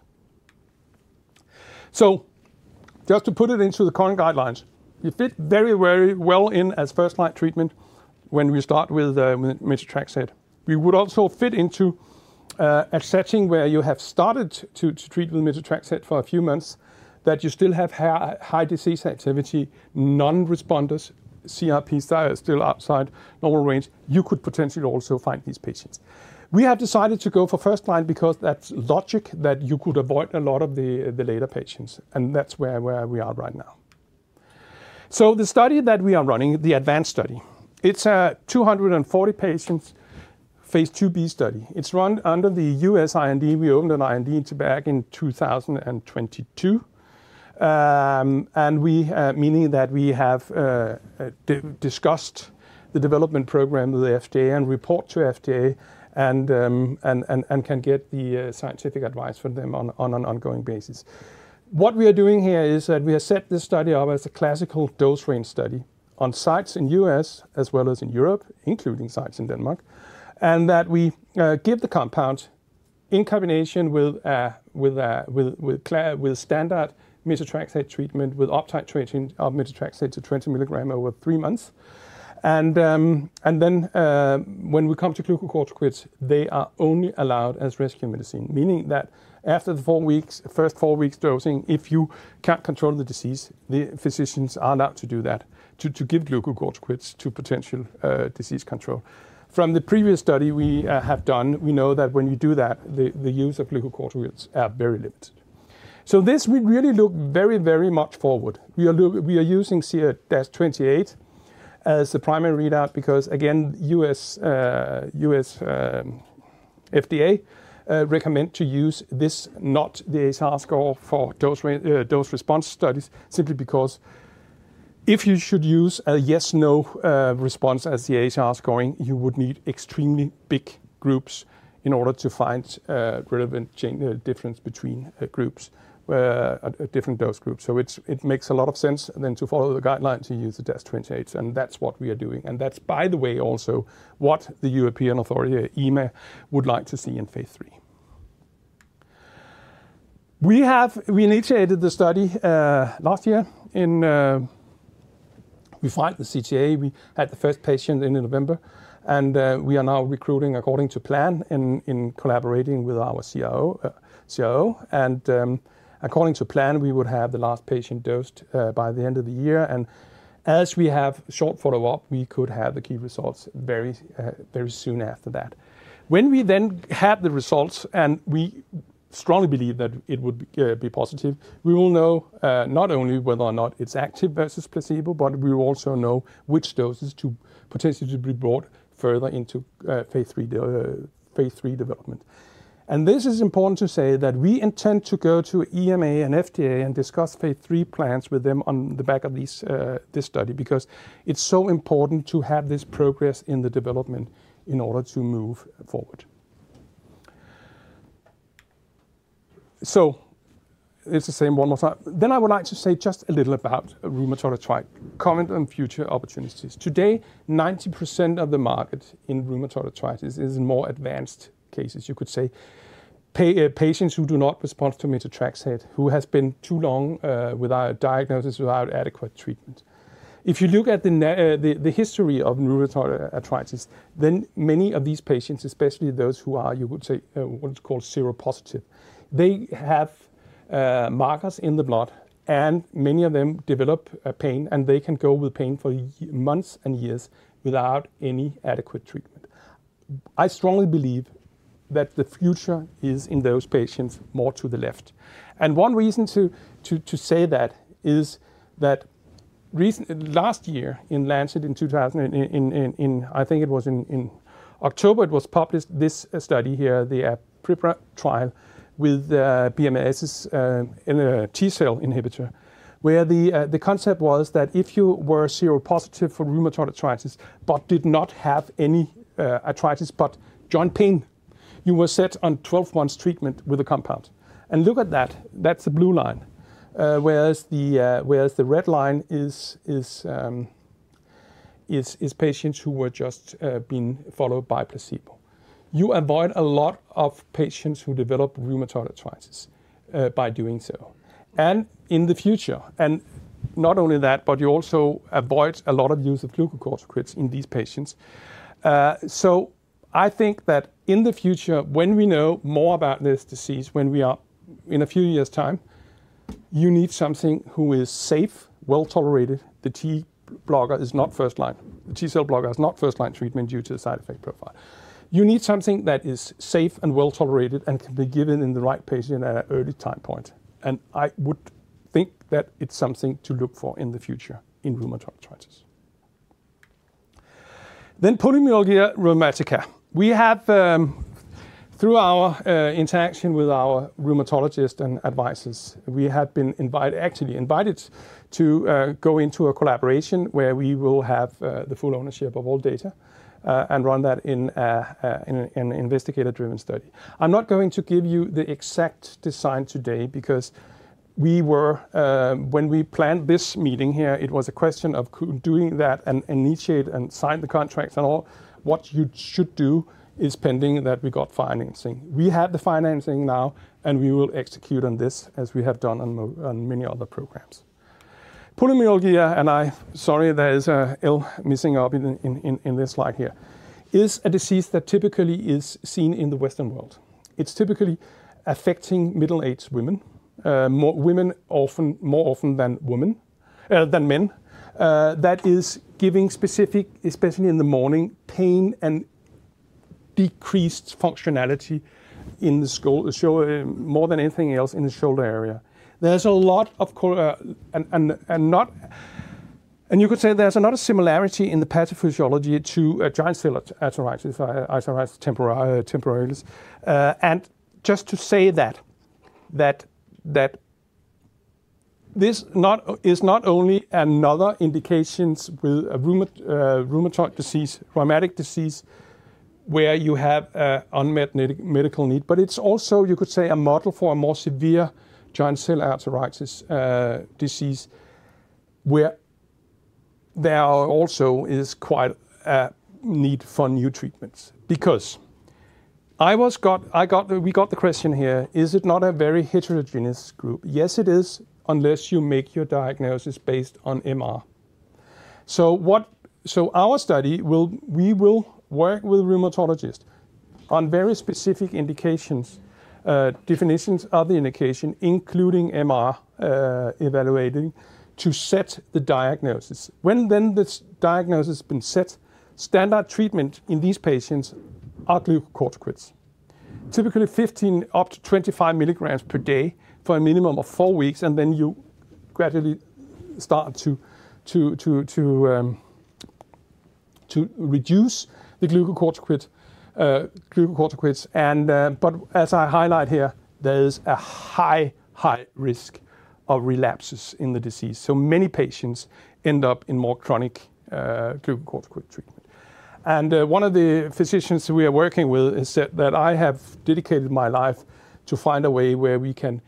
Just to put it into the current guidelines, you fit very, very well in as first-line treatment when we start with methotrexate. We would also fit into a setting where you have started to treat with methotrexate for a few months that you still have high disease activity, non-responders, CRPs that are still outside normal range. You could potentially also find these patients. We have decided to go for first-line because that's logic that you could avoid a lot of the later patients. That's where we are right now. The study that we are running, the ADVANCE study, it's a 240-patient Phase 2B study. It's run under the U.S.-IND. We opened an IND back in 2022, meaning that we have discussed the development program with the FDA and report to FDA and can get the scientific advice from them on an ongoing basis. What we are doing here is that we have set this study up as a classical dose range study on sites in the U.S. as well as in Europe, including sites in Denmark, and that we give the compound in combination with standard methotrexate treatment with uptitrating of methotrexate to 20 mg over three months. When we come to glucocorticoids, they are only allowed as rescue medicine, meaning that after the first four weeks' dosing, if you can't control the disease, the physicians are allowed to do that, to give glucocorticoids to potential disease control. From the previous study we have done, we know that when you do that, the use of glucocorticoids is very limited. This would really look very, very much forward. We are using DAS28 as the primary readout because, again, U.S. FDA recommends to use this, not the ACR score for dose response studies, simply because if you should use a yes/no response as the ACR scoring, you would need extremely big groups in order to find relevant difference between different dose groups. It makes a lot of sense then to follow the guidelines to use the DAS28. That's what we are doing. That is, by the way, also what the European authority, EMA, would like to see in phase three. We initiated the study last year. We filed with CTA. We had the first patient in November. We are now recruiting according to plan and collaborating with our CRO. According to plan, we would have the last patient dosed by the end of the year. As we have short follow-up, we could have the key results very soon after that. When we then have the results, and we strongly believe that it would be positive, we will know not only whether or not it is active versus placebo, but we will also know which doses to potentially be brought further into Phase 3 development. This is important to say that we intend to go to EMA and FDA and discuss Phase 3 plans with them on the back of this study because it's so important to have this progress in the development in order to move forward. It's the same one more time. I would like to say just a little about rheumatoid arthritis, comment on future opportunities. Today, 90% of the market in rheumatoid arthritis is in more advanced cases, you could say, patients who do not respond to methotrexate, who have been too long without diagnosis, without adequate treatment. If you look at the history of rheumatoid arthritis, many of these patients, especially those who are, you could say, what's called seropositive, they have markers in the blood. Many of them develop pain. They can go with pain for months and years without any adequate treatment. I strongly believe that the future is in those patients more to the left. One reason to say that is that last year in Lancet in 2000, I think it was in October, it was published this study here, the APRIPA trial with BMS's T-cell inhibitor, where the concept was that if you were seropositive for rheumatoid arthritis but did not have any arthritis but joint pain, you were set on 12 months' treatment with a compound. Look at that. That is the blue line. The red line is patients who were just being followed by placebo. You avoid a lot of patients who develop rheumatoid arthritis by doing so. In the future, not only that, you also avoid a lot of use of glucocorticoids in these patients. I think that in the future, when we know more about this disease, when we are in a few years' time, you need something who is safe, well-tolerated. The T-blocker is not first-line. The T-cell blocker is not first-line treatment due to the side effect profile. You need something that is safe and well-tolerated and can be given in the right patient at an early time point. I would think that it's something to look for in the future in rheumatoid arthritis. Polymyalgia rheumatica. Through our interaction with our rheumatologist and advisors, we have been actually invited to go into a collaboration where we will have the full ownership of all data and run that in an investigator-driven study. I'm not going to give you the exact design today because when we planned this meeting here, it was a question of doing that and initiate and sign the contracts and all. What you should do is pending that we got financing. We have the financing now. And we will execute on this as we have done on many other programs. Polymyalgia rheumatica, and I--sorry, there is an L missing out in this slide here--is a disease that typically is seen in the Western world. It's typically affecting middle-aged women, more often than men, that is giving specific, especially in the morning, pain and decreased functionality in the shoulder, more than anything else in the shoulder area. There's a lot of--and you could say there's a lot of similarity in the pathophysiology to giant cell arteritis, temporalis. Just to say that this is not only another indication with a rheumatic disease where you have an unmet medical need, but it's also, you could say, a model for a more severe giant cell arteritis disease where there also is quite a need for new treatments. Because we got the question here, is it not a very heterogeneous group? Yes, it is, unless you make your diagnosis based on EMA. Our study, we will work with rheumatologists on very specific definitions of the indication, including EMA evaluating to set the diagnosis. When the diagnosis has been set, standard treatment in these patients are glucocorticoids, typically 15-25 mg per day for a minimum of four weeks. You gradually start to reduce the glucocorticoids. As I highlight here, there is a high, high risk of relapses in the disease. Many patients end up in more chronic glucocorticoid treatment. One of the physicians we are working with said that I have dedicated my life to find a way where we can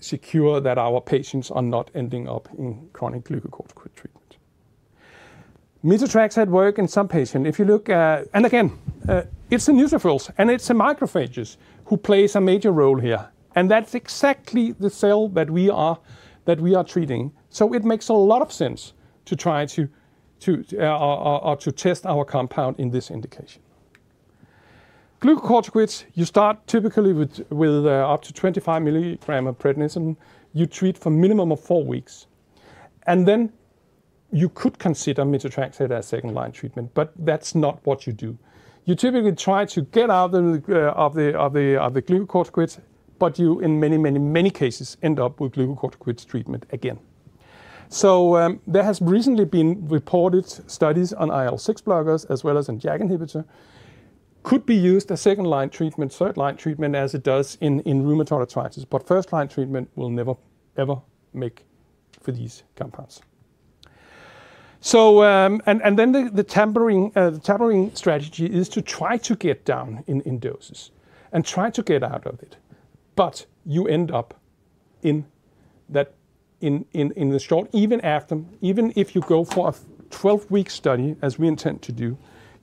secure that our patients are not ending up in chronic glucocorticoid treatment. Methotrexate works in some patients. Again, it's the neutrophils. It's the macrophages who play a major role here. That's exactly the cell that we are treating. It makes a lot of sense to try to test our compound in this indication. Glucocorticoids, you start typically with up to 25 mg of prednisone. You treat for a minimum of four weeks. Then you could consider methotrexate as second-line treatment. That's not what you do. You typically try to get out of the glucocorticoids. You, in many, many, many cases, end up with glucocorticoid treatment again. There have recently been reported studies on IL-6 blockers as well as on JAK inhibitor. Could be used as second-line treatment, third-line treatment, as it does in rheumatoid arthritis. First-line treatment will never, ever make for these compounds. The tampering strategy is to try to get down in doses and try to get out of it. You end up in the short, even if you go for a 12-week study, as we intend to do,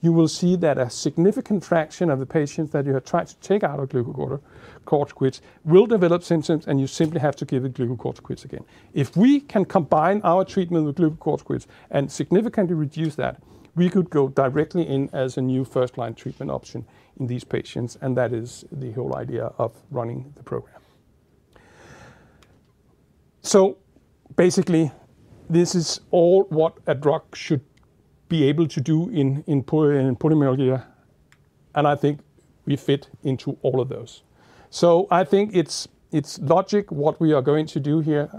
you will see that a significant fraction of the patients that you have tried to take out of glucocorticoids will develop symptoms. You simply have to give the glucocorticoids again. If we can combine our treatment with glucocorticoids and significantly reduce that, we could go directly in as a new first-line treatment option in these patients. That is the whole idea of running the program. Basically, this is all what a drug should be able to do in polymyalgia. I think we fit into all of those. I think it's logic what we are going to do here.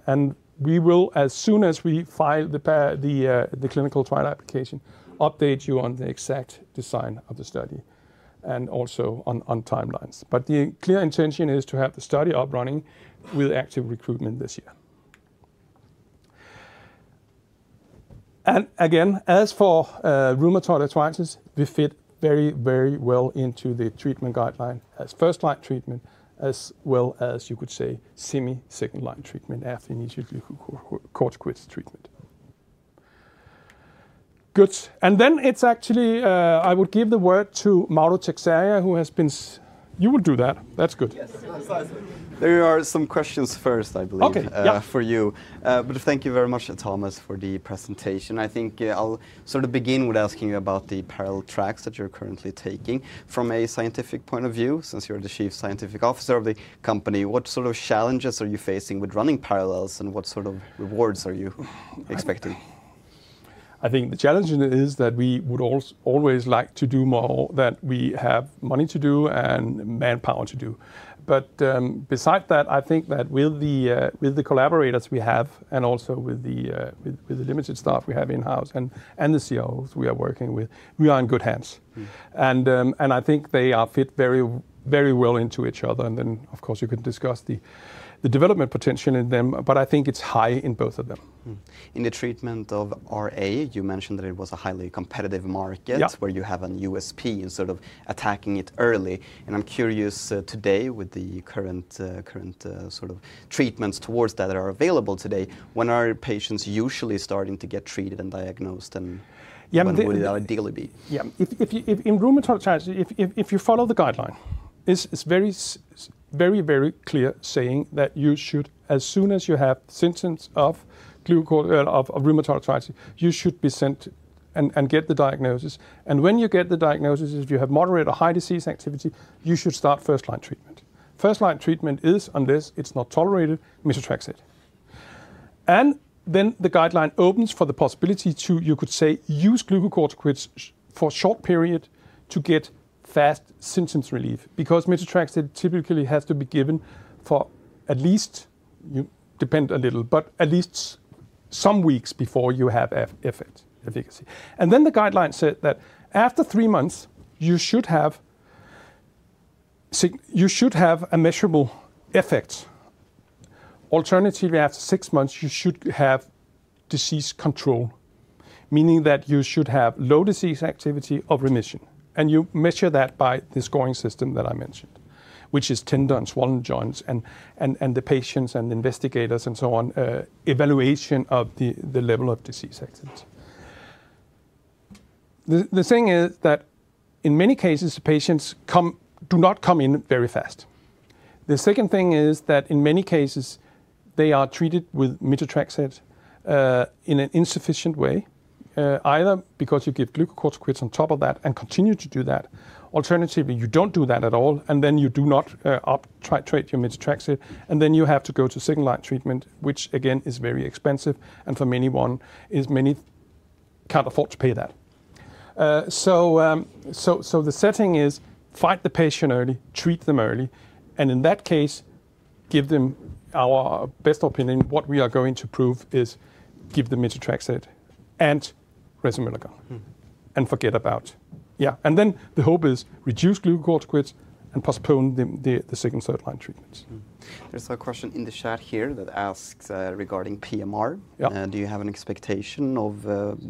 We will, as soon as we file the clinical trial application, update you on the exact design of the study and also on timelines. The clear intention is to have the study up running with active recruitment this year. Again, as for rheumatoid arthritis, we fit very, very well into the treatment guideline as first-line treatment, as well as, you could say, semi-second-line treatment after initial glucocorticoids treatment. Good. Then actually I would give the word to Mauro Teixeira, who has been--you will do that. That's good. There are some questions first, I believe, for you. Thank you very much, Thomas, for the presentation. I think I'll sort of begin with asking you about the parallel tracks that you're currently taking. From a scientific point of view, since you're the Chief Scientific Officer of the company, what sort of challenges are you facing with running parallels? What sort of rewards are you expecting? I think the challenge is that we would always like to do more than we have money to do and manpower to do. Besides that, I think that with the collaborators we have and also with the limited staff we have in-house and the CROs we are working with, we are in good hands. I think they fit very well into each other. Of course, you can discuss the development potential in them. I think it's high in both of them. In the treatment of RA, you mentioned that it was a highly competitive market where you have an USP in sort of attacking it early. I'm curious today, with the current sort of treatments towards that that are available today, when are patients usually starting to get treated and diagnosed? What would their ideal be? Yeah. In rheumatoid arthritis, if you follow the guideline, it's very, very clear saying that you should, as soon as you have symptoms of rheumatoid arthritis, you should be sent and get the diagnosis. When you get the diagnosis, if you have moderate or high disease activity, you should start first-line treatment. First-line treatment is, unless it's not tolerated, methotrexate. The guideline opens for the possibility to, you could say, use glucocorticoids for a short period to get fast symptom relief. Because methotrexate typically has to be given for at least, depend a little, but at least some weeks before you have effect, efficacy. The guideline said that after three months, you should have a measurable effect. Alternatively, after six months, you should have disease control, meaning that you should have low disease activity or remission. You measure that by this scoring system that I mentioned, which is tendons, swollen joints, and the patients and investigators and so on, evaluation of the level of disease activity. The thing is that in many cases, the patients do not come in very fast. The second thing is that in many cases, they are treated with methotrexate in an insufficient way, either because you give glucocorticoids on top of that and continue to do that. Alternatively, you do not do that at all. You do not try to treat your methotrexate. You have to go to second-line treatment, which, again, is very expensive. For many, one is many can't afford to pay that. The setting is fight the patient early, treat them early. In that case, give them our best opinion. What we are going to prove is give the methotrexate and resomelagon. And forget about, yeah. And then the hope is reduce glucocorticoids and postpone the second, third-line treatments. There's a question in the chat here that asks regarding PMR. Do you have an expectation of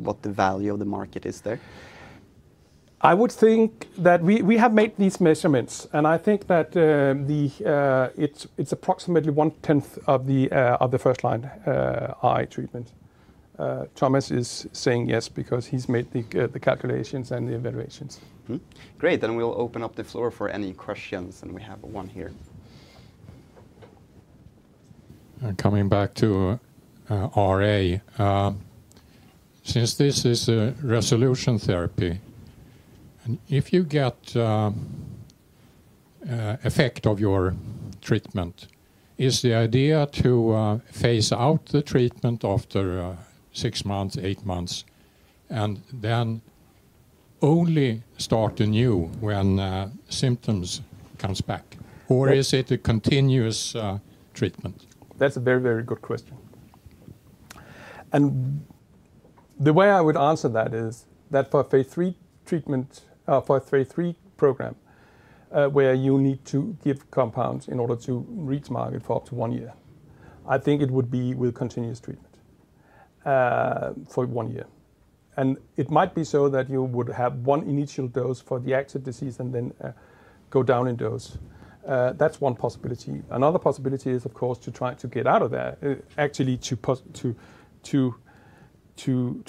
what the value of the market is there? I would think that we have made these measurements. I think that it's approximately one-tenth of the first-line RA treatment. Thomas is saying yes because he's made the calculations and the evaluations. Great. We will open up the floor for any questions. We have one here. Coming back to RA, since this is a resolution therapy, if you get effect of your treatment, is the idea to phase out the treatment after six months, eight months, and then only start anew when symptoms come back? Or is it a continuous treatment? That's a very, very good question. The way I would answer that is that for a Phase 3 program where you need to give compounds in order to reach market for up to one year, I think it would be with continuous treatment for one year. It might be so that you would have one initial dose for the active disease and then go down in dose. That's one possibility. Another possibility is, of course, to try to get out of there, actually to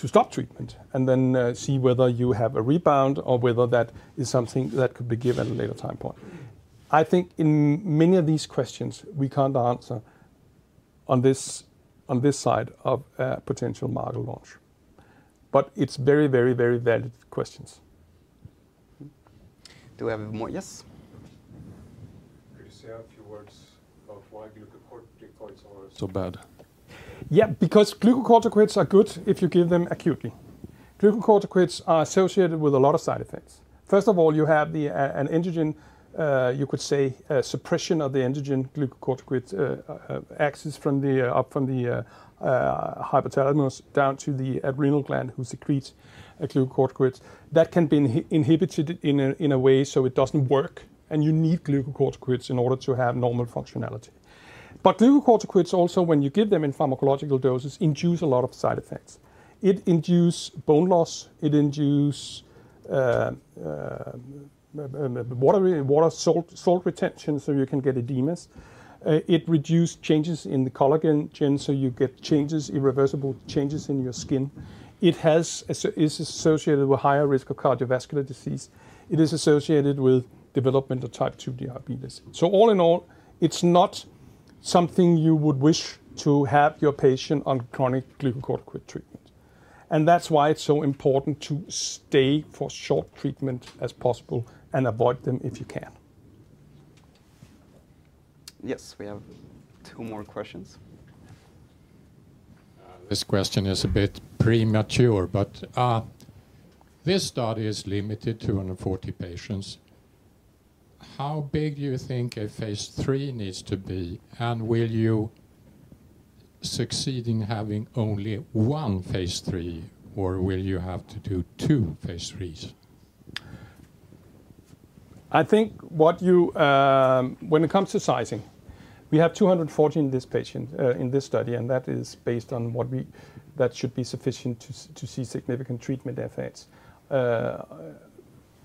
stop treatment, and then see whether you have a rebound or whether that is something that could be given at a later time point. I think in many of these questions, we can't answer on this side of potential market launch. It is very, very, very valid questions. Do we have more? Yes? Could you say a few words about why glucocorticoids are so bad? Yeah. Because glucocorticoids are good if you give them acutely. Glucocorticoids are associated with a lot of side effects. First of all, you have an androgen, you could say, suppression of the androgen glucocorticoid axis up from the hypothalamus down to the adrenal gland, which secretes glucocorticoids. That can be inhibited in a way so it does not work. You need glucocorticoids in order to have normal functionality. Glucocorticoids also, when you give them in pharmacological doses, induce a lot of side effects. It induces bone loss. It induces water salt retention, so you can get edemas. It reduces changes in the collagen gene, so you get irreversible changes in your skin. It is associated with a higher risk of cardiovascular disease. It is associated with development of type 2 diabetes. All in all, it is not something you would wish to have your patient on chronic glucocorticoid treatment. That is why it is so important to stay for as short a treatment as possible and avoid them if you can. Yes, we have two more questions. This question is a bit premature. But this study is limited to 140 patients. How big do you think a Phase 3 needs to be? And will you succeed in having only one Phase 3? Or will you have to do two Phase 3s? I think when it comes to sizing, we have 240 in this study. That is based on what we think should be sufficient to see significant treatment effects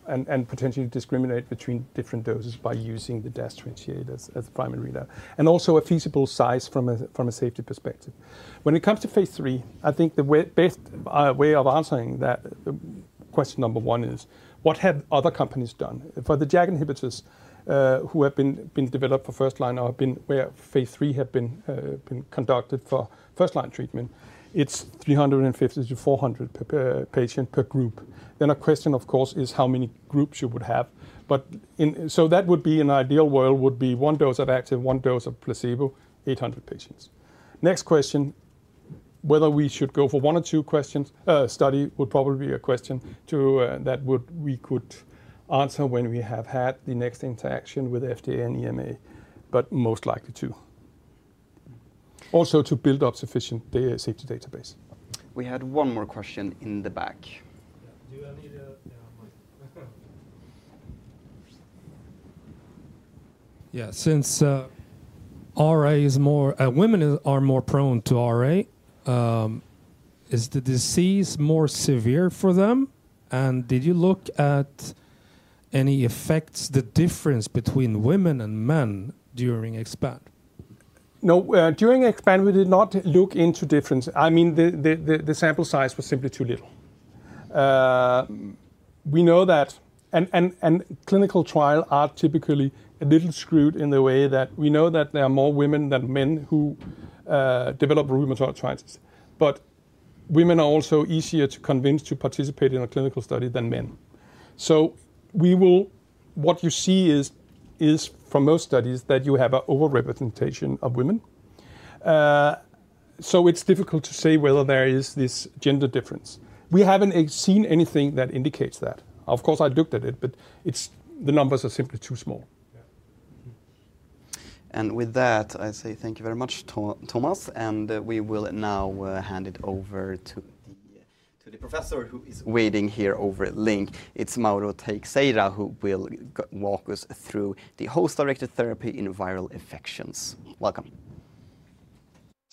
and potentially discriminate between different doses by using the DAS28 differentiators as primary there. It is also a feasible size from a safety perspective. When it comes to Phase 3, I think the best way of answering that question, number one, is what have other companies done? For the JAK inhibitors who have been developed for first-line or Phase 3 have been conducted for first-line treatment, it is 350-400 patients per group. A question, of course, is how many groups you would have. In an ideal world, it would be one dose of active, one dose of placebo, 800 patients. Next question, whether we should go for one or two studies would probably be a question that we could answer when we have had the next interaction with FDA and EMA. Most likely two. Also to build up sufficient safety database. We had one more question in the back. Yeah. Since women are more prone to RA, is the disease more severe for them? Did you look at any effects, the difference between women and men during EXPAND? No. During EXPAND, we did not look into difference. I mean, the sample size was simply too little. We know that clinical trials are typically a little screwed in the way that we know that there are more women than men who develop rheumatoid arthritis. But women are also easier to convince to participate in a clinical study than men. What you see is from most studies that you have an overrepresentation of women. It is difficult to say whether there is this gender difference. We have not seen anything that indicates that. Of course, I looked at it. The numbers are simply too small. Thank you very much, Thomas. We will now hand it over to the professor who is waiting here over at LINC. It's Mauro Teixeira, who will walk us through the host-directed therapy in viral infections. Welcome.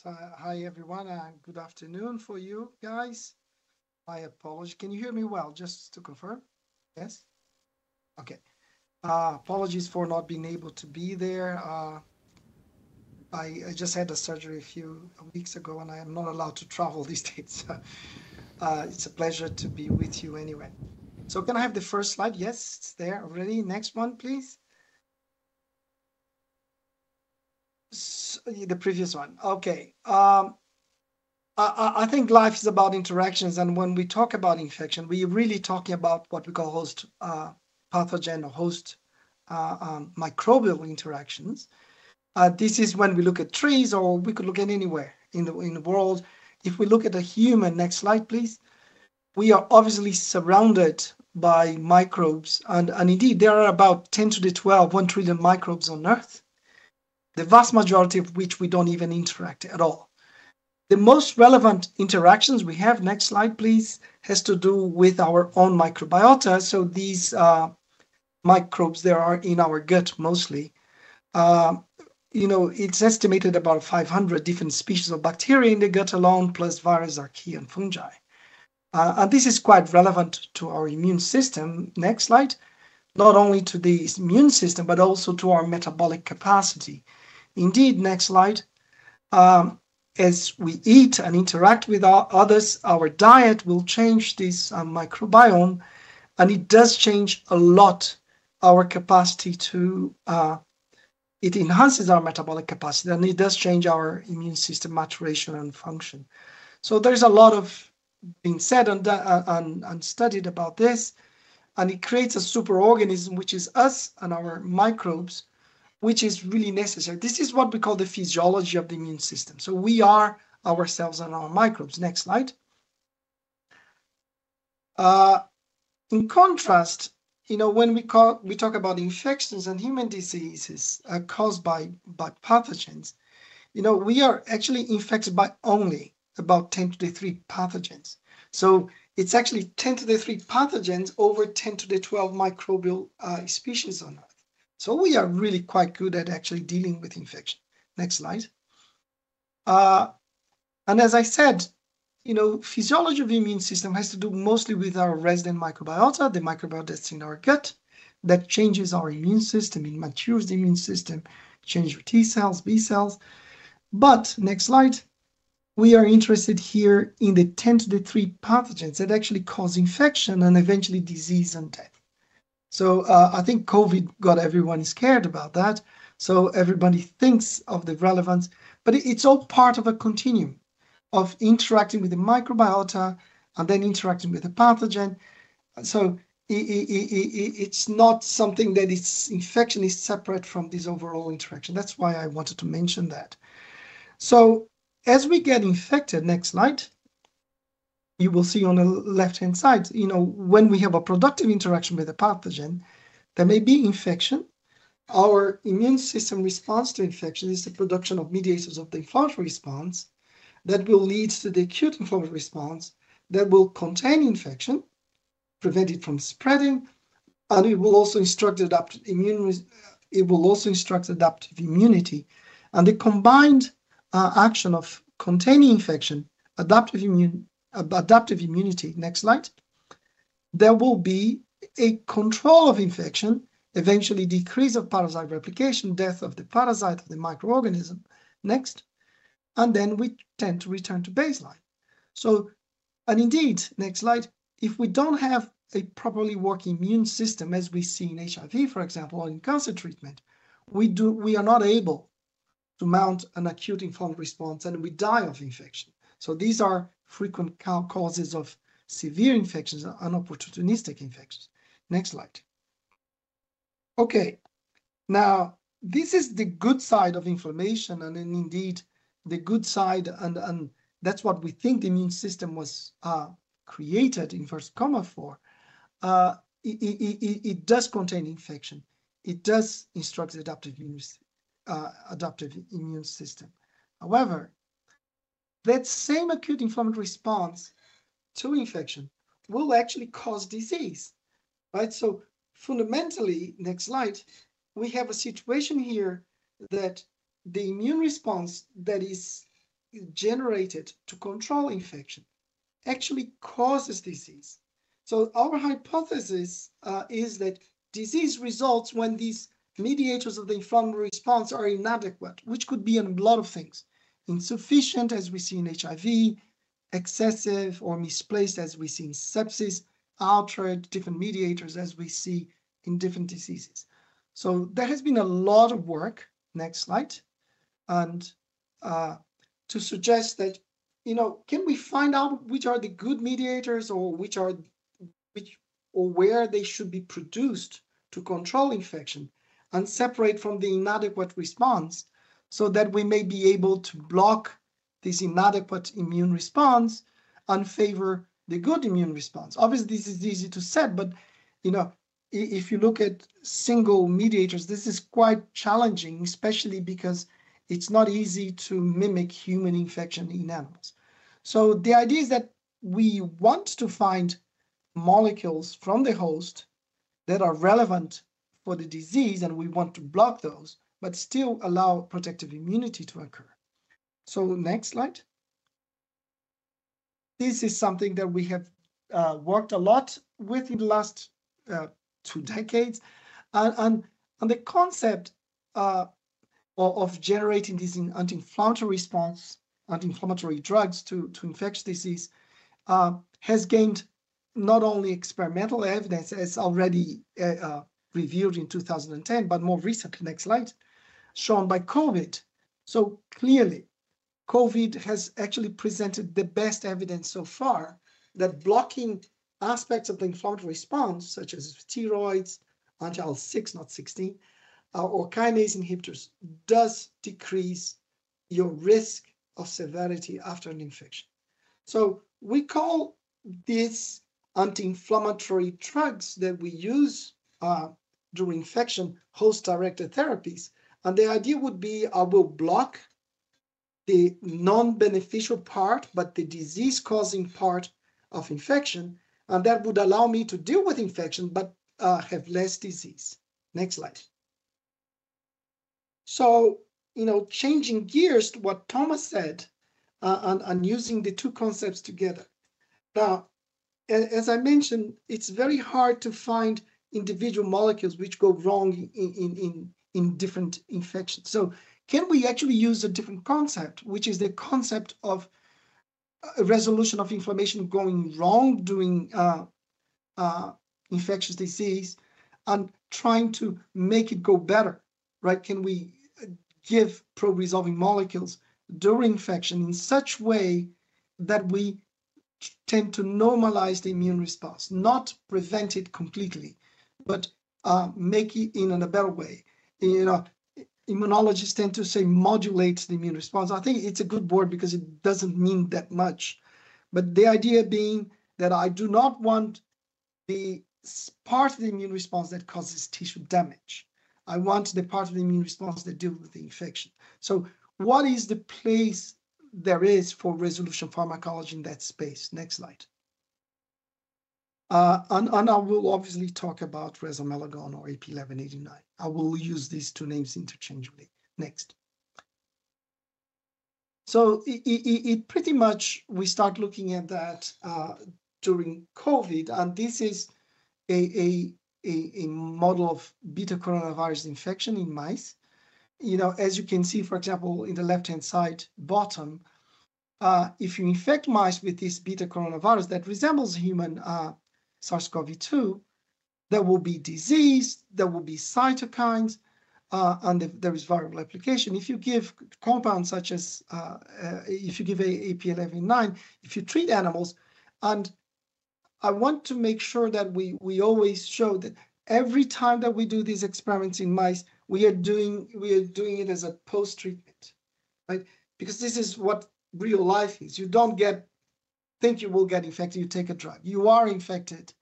Hi, everyone. And good afternoon for you guys. My apologies. Can you hear me well? Just to confirm, yes? OK. Apologies for not being able to be there. I just had a surgery a few weeks ago, and I am not allowed to travel these days. It's a pleasure to be with you anyway. Can I have the first slide? Yes, it's there already. Next one, please. The previous one. OK. I think life is about interactions. When we talk about infection, we are really talking about what we call host pathogen or host microbial interactions. This is when we look at trees, or we could look at anywhere in the world. If we look at a human, next slide, please. We are obviously surrounded by microbes. Indeed, there are about 10 to the 12, 1 trillion microbes on Earth, the vast majority of which we do not even interact with at all. The most relevant interactions we have—next slide, please—have to do with our own microbiota. These microbes, they are in our gut mostly. It is estimated about 500 different species of bacteria in the gut alone, plus virus, archaea, and fungi. This is quite relevant to our immune system. Next slide. Not only to the immune system, but also to our metabolic capacity. Indeed, next slide, as we eat and interact with others, our diet will change this microbiome. It does change a lot our capacity to—it enhances our metabolic capacity. It does change our immune system maturation and function. There is a lot being said and studied about this. It creates a superorganism, which is us and our microbes, which is really necessary. This is what we call the physiology of the immune system. We are ourselves and our microbes. Next slide. In contrast, when we talk about infections and human diseases caused by pathogens, we are actually infected by only about 10 to the 3 pathogens. It is actually 10 to the 3 pathogens over 10 to the 12 microbial species on Earth. We are really quite good at actually dealing with infection. Next slide. As I said, physiology of the immune system has to do mostly with our resident microbiota, the microbiota that is in our gut, that changes our immune system, matures the immune system, changes T-cells, B-cells. Next slide, we are interested here in the 10 to the 3 pathogens that actually cause infection and eventually disease and death. I think COVID got everyone scared about that. Everybody thinks of the relevance. It's all part of a continuum of interacting with the microbiota and then interacting with the pathogen. It's not something that infection is separate from this overall interaction. That's why I wanted to mention that. As we get infected, next slide, you will see on the left-hand side, when we have a productive interaction with a pathogen, there may be infection. Our immune system responds to infection. It's the production of mediators of the inflammatory response that will lead to the acute inflammatory response that will contain infection, prevent it from spreading. It will also instruct adaptive immunity. It will also instruct adaptive immunity. The combined action of containing infection, adaptive immunity. Next slide. There will be a control of infection, eventually decrease of parasite replication, death of the parasite, of the microorganism. Next. We tend to return to baseline. Next slide. If we do not have a properly working immune system, as we see in HIV, for example, or in cancer treatment, we are not able to mount an acute inflammatory response. We die of infection. These are frequent causes of severe infections, unopportunistic infections. Next slide. OK. This is the good side of inflammation. Indeed, the good side. That is what we think the immune system was created in first coma for. It does contain infection. It does instruct the adaptive immune system. However, that same acute inflammatory response to infection will actually cause disease. Fundamentally, next slide, we have a situation here that the immune response that is generated to control infection actually causes disease. Our hypothesis is that disease results when these mediators of the inflammatory response are inadequate, which could be in a lot of things. Insufficient, as we see in HIV, excessive or misplaced, as we see in sepsis, outright different mediators, as we see in different diseases. There has been a lot of work. Next slide. To suggest that, can we find out which are the good mediators or where they should be produced to control infection and separate from the inadequate response so that we may be able to block this inadequate immune response and favor the good immune response? Obviously, this is easy to say. If you look at single mediators, this is quite challenging, especially because it's not easy to mimic human infection in animals. The idea is that we want to find molecules from the host that are relevant for the disease. We want to block those, but still allow protective immunity to occur. Next slide. This is something that we have worked a lot with in the last two decades. The concept of generating these anti-inflammatory response, anti-inflammatory drugs to infectious disease has gained not only experimental evidence, as already revealed in 2010, but more recently. Next slide. Shown by COVID. Clearly, COVID has actually presented the best evidence so far that blocking aspects of the inflammatory response, such as steroids, anti-IL-6, not 16, or kinase inhibitors, does decrease your risk of severity after an infection. We call these anti-inflammatory drugs that we use during infection host-directed therapies. The idea would be I will block the non-beneficial part, but the disease-causing part of infection. That would allow me to deal with infection, but have less disease. Next slide. Changing gears to what Thomas said and using the two concepts together. Now, as I mentioned, it's very hard to find individual molecules which go wrong in different infections. Can we actually use a different concept, which is the concept of resolution of inflammation going wrong during infectious disease and trying to make it go better? Can we give pro-resolving molecules during infection in such a way that we tend to normalize the immune response, not prevent it completely, but make it in a better way? Immunologists tend to say modulate the immune response. I think it's a good word because it doesn't mean that much. The idea being that I do not want the part of the immune response that causes tissue damage. I want the part of the immune response that deals with the infection. What is the place there is for resolution pharmacology in that space? Next slide. I will obviously talk about resomelagon or AP1189. I will use these two names interchangeably. Next. Pretty much, we start looking at that during COVID. This is a model of beta coronavirus infection in mice. As you can see, for example, in the left-hand side bottom, if you infect mice with this beta coronavirus that resembles human SARS-CoV-2, there will be disease. There will be cytokines. There is viral replication. If you give compounds such as if you give AP1189, if you treat animals and I want to make sure that we always show that every time that we do these experiments in mice, we are doing it as a post-treatment. Because this is what real life is. You do not think you will get infected. You take a drug. You are infected.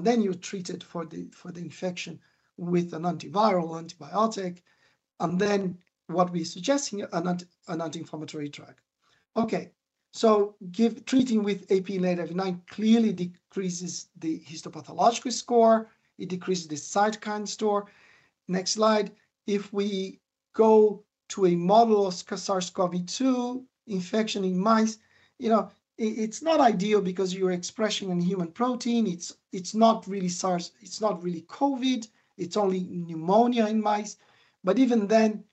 Then you are treated for the infection with an antiviral, antibiotic. What we are suggesting is an anti-inflammatory drug. OK. Treating with AP1189 clearly decreases the histopathological score. It decreases the cytokine score. Next slide. If we go to a model of SARS-CoV-2 infection in mice, it is not ideal because you are expressing a human protein. It is not really COVID. It is only pneumonia in mice. Even then,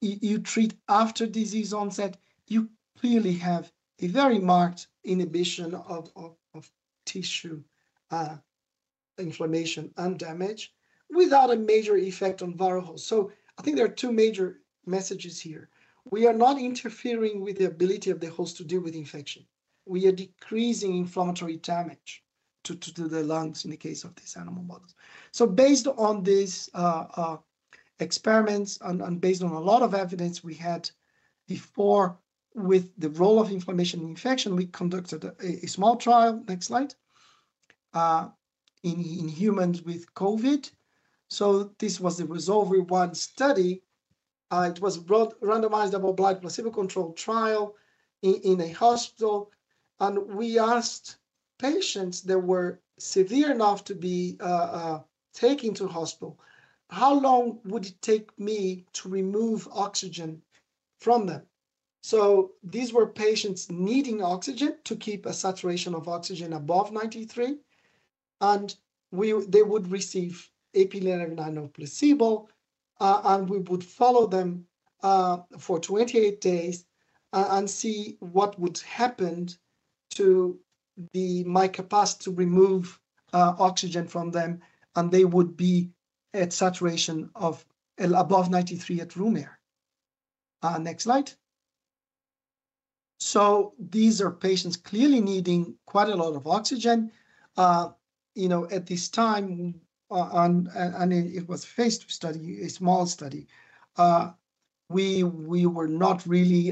you treat after disease onset, you clearly have a very marked inhibition of tissue inflammation and damage without a major effect on viral host. I think there are two major messages here. We are not interfering with the ability of the host to deal with infection. We are decreasing inflammatory damage to the lungs in the case of these animal models. Based on these experiments and based on a lot of evidence we had before with the role of inflammation in infection, we conducted a small trial. Next slide. In humans with COVID. This was the resolver one study. It was a randomized double-blind placebo-controlled trial in a hospital. We asked patients that were severe enough to be taken to the hospital, how long would it take me to remove oxygen from them? These were patients needing oxygen to keep a saturation of oxygen above 93%. They would receive AP1189 or placebo. We would follow them for 28 days and see what would happen to the micropaths to remove oxygen from them. They would be at saturation of above 93% at room air. Next slide. These are patients clearly needing quite a lot of oxygen at this time, and it was a phase two study, a small study. We were not really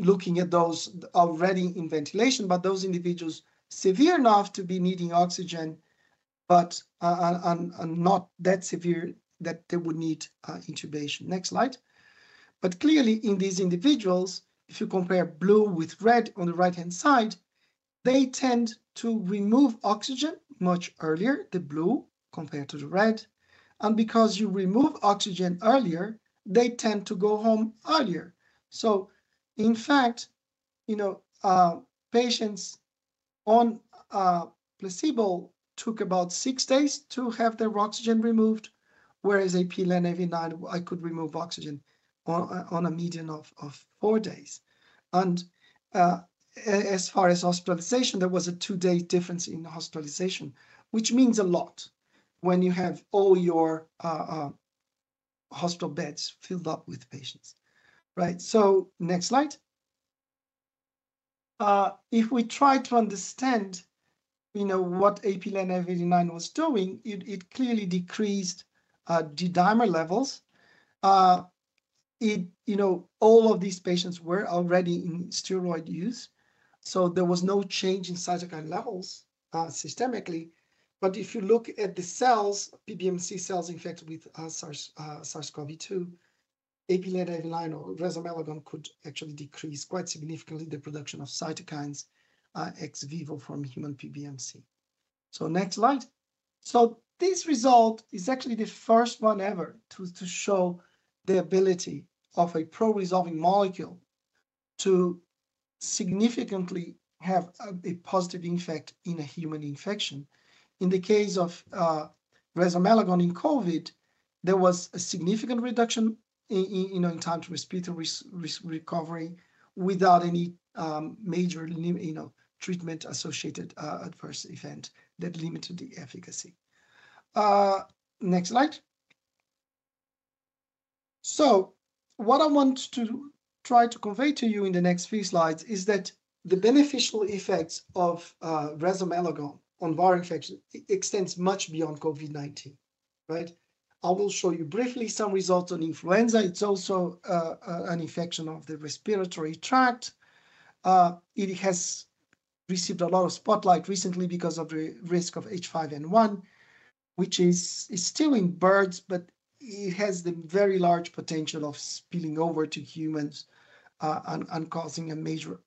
looking at those already in ventilation, but those individuals severe enough to be needing oxygen, but not that severe that they would need intubation. Next slide. Clearly, in these individuals, if you compare blue with red on the right-hand side, they tend to remove oxygen much earlier, the blue compared to the red. Because you remove oxygen earlier, they tend to go home earlier. In fact, patients on placebo took about six days to have their oxygen removed, whereas AP1189, I could remove oxygen on a median of four days. As far as hospitalization, there was a two-day difference in hospitalization, which means a lot when you have all your hospital beds filled up with patients. Next slide. If we try to understand what AP1189 was doing, it clearly decreased D-dimer levels. All of these patients were already in steroid use. There was no change in cytokine levels systemically. If you look at the cells, PBMC cells infected with SARS-CoV-2, AP1189 or resomelagon could actually decrease quite significantly the production of cytokines ex vivo from human PBMC. Next slide. This result is actually the first one ever to show the ability of a pro-resolving molecule to significantly have a positive effect in a human infection. In the case of resomelagon in COVID, there was a significant reduction in time to respiratory recovery without any major treatment-associated adverse event that limited the efficacy. Next slide. What I want to try to convey to you in the next few slides is that the beneficial effects of resomelagon on viral infection extend much beyond COVID-19. I will show you briefly some results on Influenza. It is also an infection of the respiratory tract. It has received a lot of spotlight recently because of the risk of H5N1, which is still in birds, but it has the very large potential of spilling over to humans and causing a major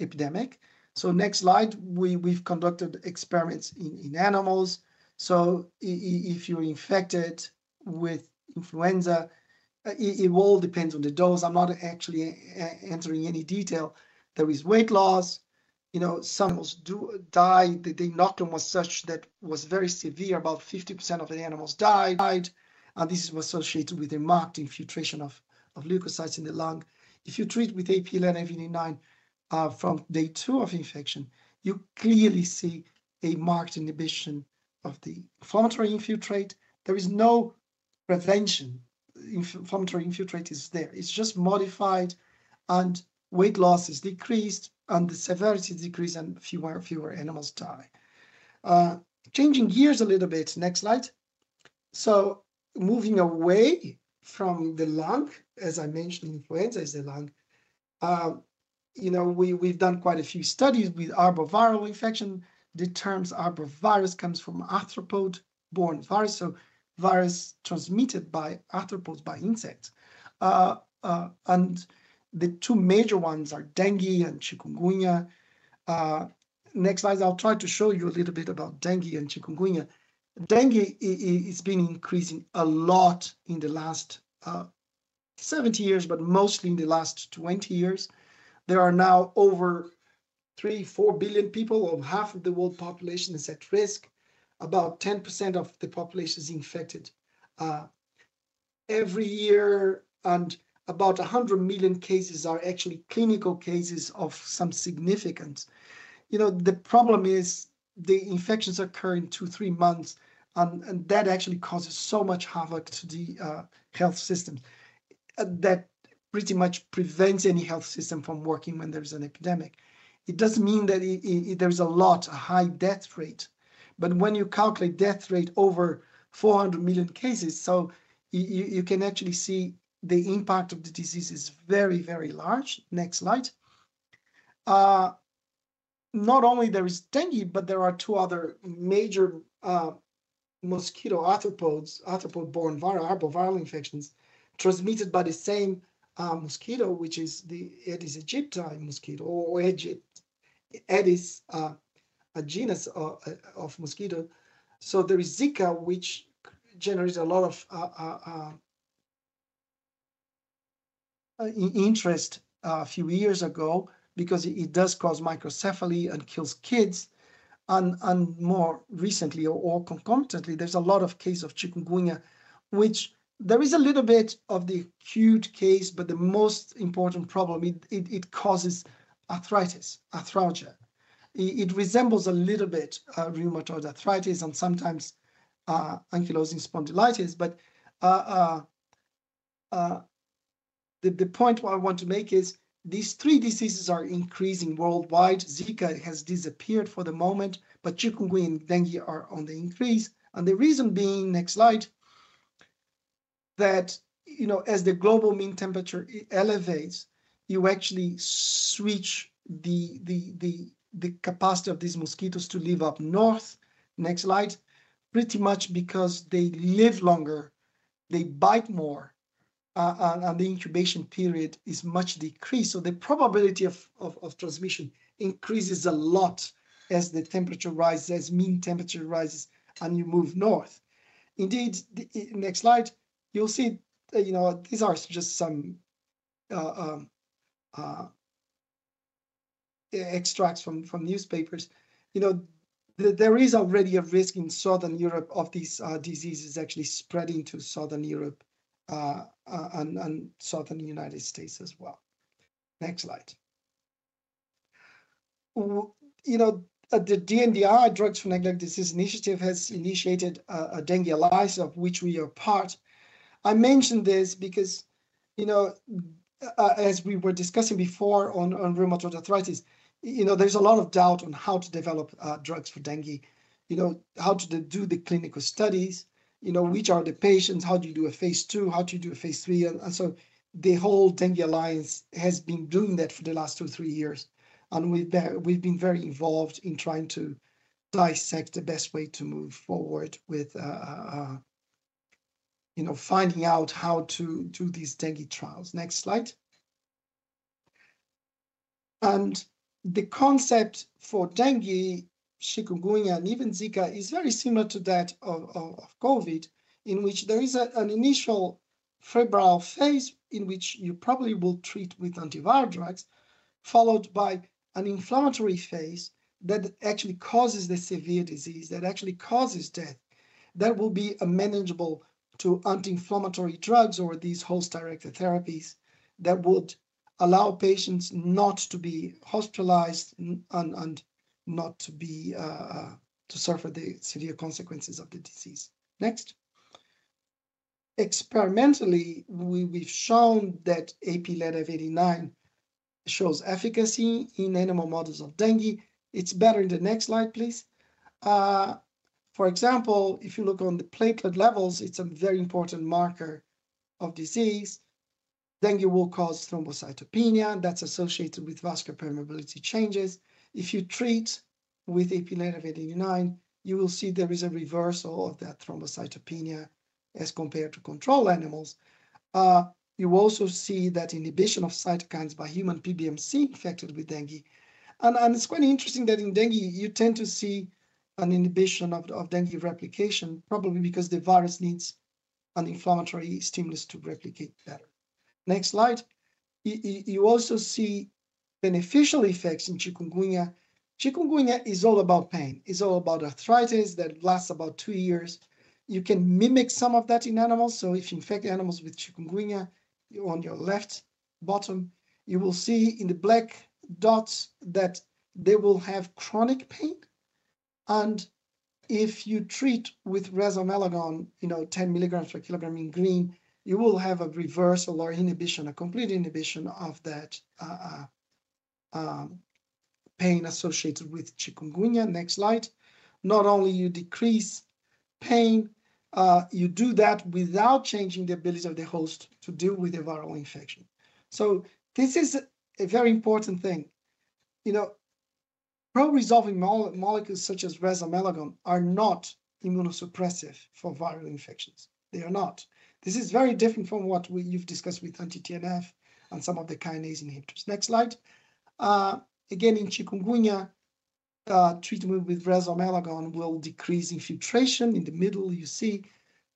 epidemic. Next slide. We have conducted experiments in animals. If you are infected with Influenza, it all depends on the dose. I am not actually entering any detail. There is weight loss. Some animals die. The knock-on was such that was very severe. About 50% of the animals died. And this was associated with a marked infiltration of leukocytes in the lung. If you treat with AP1189 from day two of infection, you clearly see a marked inhibition of the inflammatory infiltrate. There is no prevention. The inflammatory infiltrate is there. It's just modified. And weight loss is decreased. And the severity is decreased. And fewer animals die. Changing gears a little bit. Next slide. Moving away from the lung, as I mentioned, is the lung. We've done quite a few studies with arboviral infection. The term arbovirus comes from arthropod-borne virus, so virus transmitted by arthropods by insects. The two major ones are dengue and chikungunya. Next slide. I'll try to show you a little bit about dengue and chikungunya. Dengue has been increasing a lot in the last 70 years, but mostly in the last 20 years. There are now over 3 billion-4 billion people, or half of the world population, that's at risk. About 10% of the population is infected every year. And about 100 million cases are actually clinical cases of some significance. The problem is the infections occur in two-three months. That actually causes so much havoc to the health system that pretty much prevents any health system from working when there is an epidemic. It does not mean that there is a high death rate. When you calculate death rate over 400 million cases, you can actually see the impact of the disease is very, very large. Next slide. Not only is there dengue, but there are two other major mosquito arthropod-borne viral, arboviral infections transmitted by the same mosquito, which is the Aedes aegypti mosquito or Aedes genus of mosquito. There is Zika, which generated a lot of interest a few years ago because it does cause microcephaly and kills kids. More recently, or concomitantly, there are a lot of cases of chikungunya, which has a little bit of the acute case, but the most important problem is it causes arthritis, arthralgia. It resembles a little bit rheumatoid arthritis and sometimes ankylosing spondylitis. The point I want to make is these three diseases are increasing worldwide. Zika has disappeared for the moment. Chikungunya and dengue are on the increase. The reason being, next slide, that as the global mean temperature elevates, you actually switch the capacity of these mosquitoes to live up north. Next slide. Pretty much because they live longer, they bite more, and the incubation period is much decreased. The probability of transmission increases a lot as the temperature rises, as mean temperature rises, and you move north. Indeed, next slide, you'll see these are just some extracts from newspapers. There is already a risk in Southern Europe of these diseases actually spreading to Southern Europe and Southern United States as well. Next slide. The DNDi, Drugs for Neglected Diseases initiative, has initiated a dengue alliance of which we are part. I mentioned this because as we were discussing before on rheumatoid arthritis, there's a lot of doubt on how to develop drugs for dengue, how to do the clinical studies, which are the patients, how do you do a phase two, how do you do a phase three. The whole dengue alliance has been doing that for the last two, three years. We have been very involved in trying to dissect the best way to move forward with finding out how to do these dengue trials. Next slide. The concept for dengue, chikungunya, and even Zika is very similar to that of COVID, in which there is an initial febrile phase in which you probably will treat with antiviral drugs, followed by an inflammatory phase that actually causes the severe disease, that actually causes death, that will be manageable to anti-inflammatory drugs or these host-directed therapies that would allow patients not to be hospitalized and not to suffer the severe consequences of the disease. Next. Experimentally, we have shown that AP1189 shows efficacy in animal models of dengue. It is better in the next slide, please. For example, if you look on the platelet levels, it's a very important marker of disease. Dengue will cause thrombocytopenia. That's associated with vascular permeability changes. If you treat with AP1189, you will see there is a reversal of that thrombocytopenia as compared to control animals. You also see that inhibition of cytokines by human PBMC infected with dengue. It's quite interesting that in dengue, you tend to see an inhibition of dengue replication, probably because the virus needs an inflammatory stimulus to replicate better. Next slide. You also see beneficial effects in chikungunya. Chikungunya is all about pain. It's all about arthritis that lasts about two years. You can mimic some of that in animals. If you infect animals with chikungunya on your left bottom, you will see in the black dots that they will have chronic pain. If you treat with resomelagon, 10 mg per kilogram in green, you will have a reversal or inhibition, a complete inhibition of that pain associated with chikungunya. Next slide. Not only do you decrease pain, you do that without changing the ability of the host to deal with a viral infection. This is a very important thing. Pro-resolving molecules such as resomelagon are not immunosuppressive for viral infections. They are not. This is very different from what you've discussed with anti-TNF and some of the kinase inhibitors. Next slide. Again, in chikungunya, treatment with resomelagon will decrease infiltration. In the middle, you see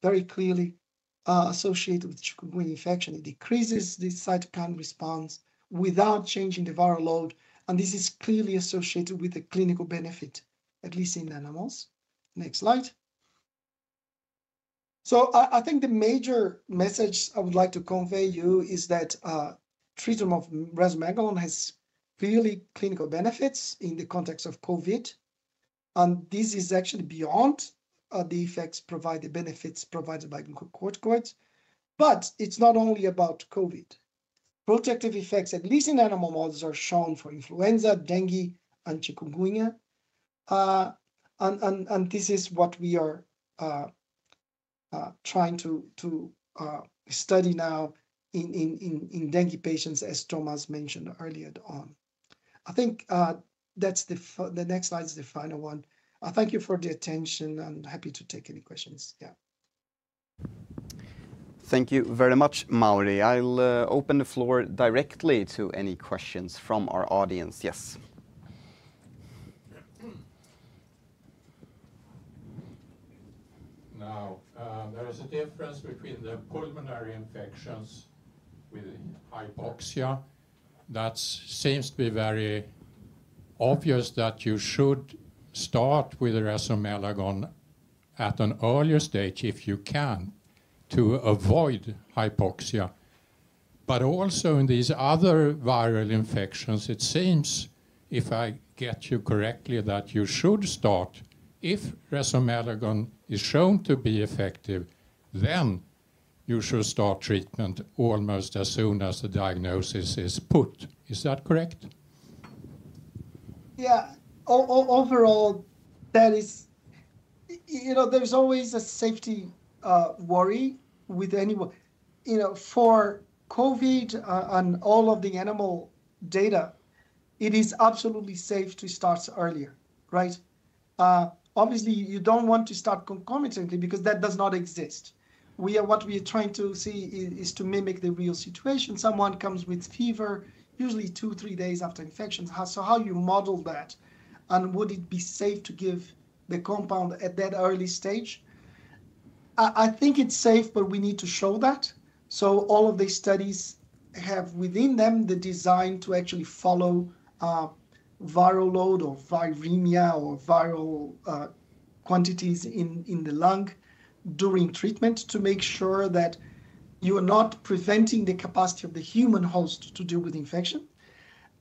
very clearly associated with chikungunya infection. It decreases the cytokine response without changing the viral load. This is clearly associated with a clinical benefit, at least in animals. Next slide. I think the major message I would like to convey to you is that treatment of resomelagon has clearly clinical benefits in the context of COVID. This is actually beyond the effects provided, the benefits provided by glucocorticoids. It is not only about COVID. Protective effects, at least in animal models, are shown for Influenza, dengue, and chikungunya. This is what we are trying to study now in dengue patients, as Thomas mentioned earlier on. I think the next slide is the final one. Thank you for the attention. I'm happy to take any questions. Yeah. Thank you very much, Mauro. I'll open the floor directly to any questions from our audience. Yes. Now, there is a difference between the pulmonary infections with hypoxia. That seems to be very obvious that you should start with resomelagon at an earlier stage if you can to avoid hypoxia. Also in these other viral infections, it seems, if I get you correctly, that you should start, if resomelagon is shown to be effective, then you should start treatment almost as soon as the diagnosis is put. Is that correct? Yeah. Overall, there is always a safety worry with anyone. For COVID and all of the animal data, it is absolutely safe to start earlier. Right? Obviously, you do not want to start concomitantly because that does not exist. What we are trying to see is to mimic the real situation. Someone comes with fever, usually two, three days after infection. How do you model that? And would it be safe to give the compound at that early stage? I think it is safe, but we need to show that. All of these studies have within them the design to actually follow viral load or viremia or viral quantities in the lung during treatment to make sure that you are not preventing the capacity of the human host to deal with infection.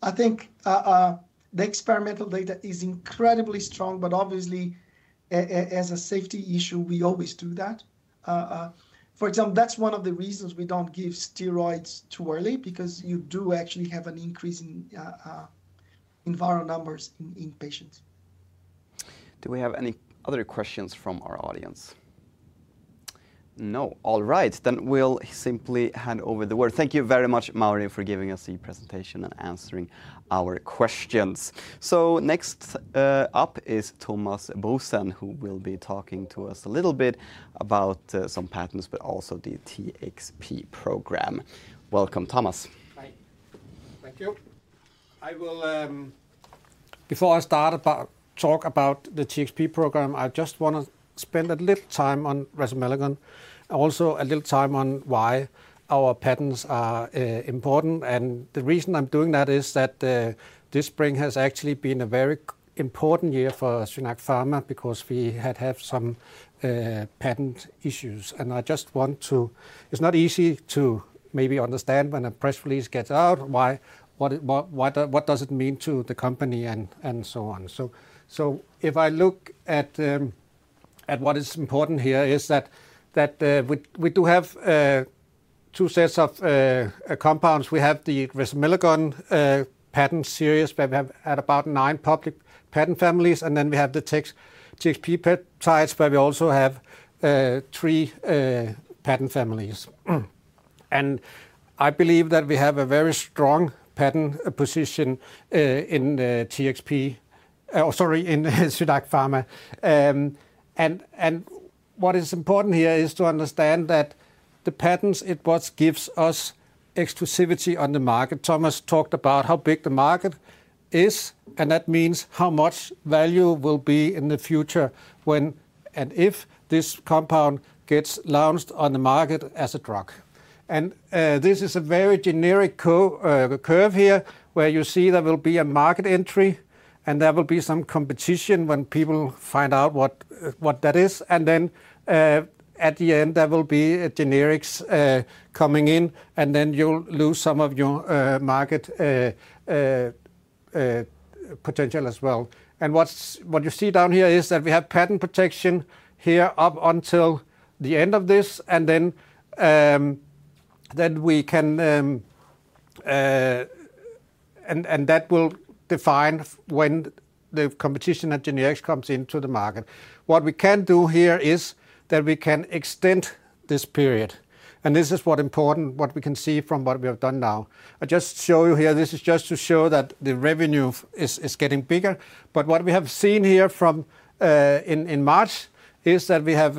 I think the experimental data is incredibly strong. Obviously, as a safety issue, we always do that. For example, that is one of the reasons we do not give steroids too early because you do actually have an increase in viral numbers in patients. Do we have any other questions from our audience? No. All right. We will simply hand over the word. Thank you very much, Mauro, for giving us the presentation and answering our questions. Next up is Thomas Boesen, who will be talking to us a little bit about some patents, but also the TXP program. Welcome, Thomas. Hi. Thank you. Before I start to talk about the TXP program, I just want to spend a little time on resomelagon and also a little time on why our patents are important. The reason I'm doing that is that this spring has actually been a very important year for SynAct Pharma because we had had some patent issues. I just want to, it's not easy to maybe understand when a press release gets out what does it mean to the company and so on. If I look at what is important here is that we do have two sets of compounds. We have the resomelagon patent series, where we have about nine public patent families. Then we have the TXP peptides, where we also have three patent families. I believe that we have a very strong patent position in TXP, sorry, in SynAct Pharma. What is important here is to understand that the patents, it is what gives us exclusivity on the market. Thomas talked about how big the market is. That means how much value will be in the future when and if this compound gets launched on the market as a drug. This is a very generic curve here where you see there will be a market entry. There will be some competition when people find out what that is. At the end, there will be generics coming in. Then you'll lose some of your market potential as well. What you see down here is that we have patent protection here up until the end of this. That will define when the competition and generics comes into the market. What we can do here is that we can extend this period. This is what is important, what we can see from what we have done now. I just show you here. This is just to show that the revenue is getting bigger. What we have seen here in March is that we have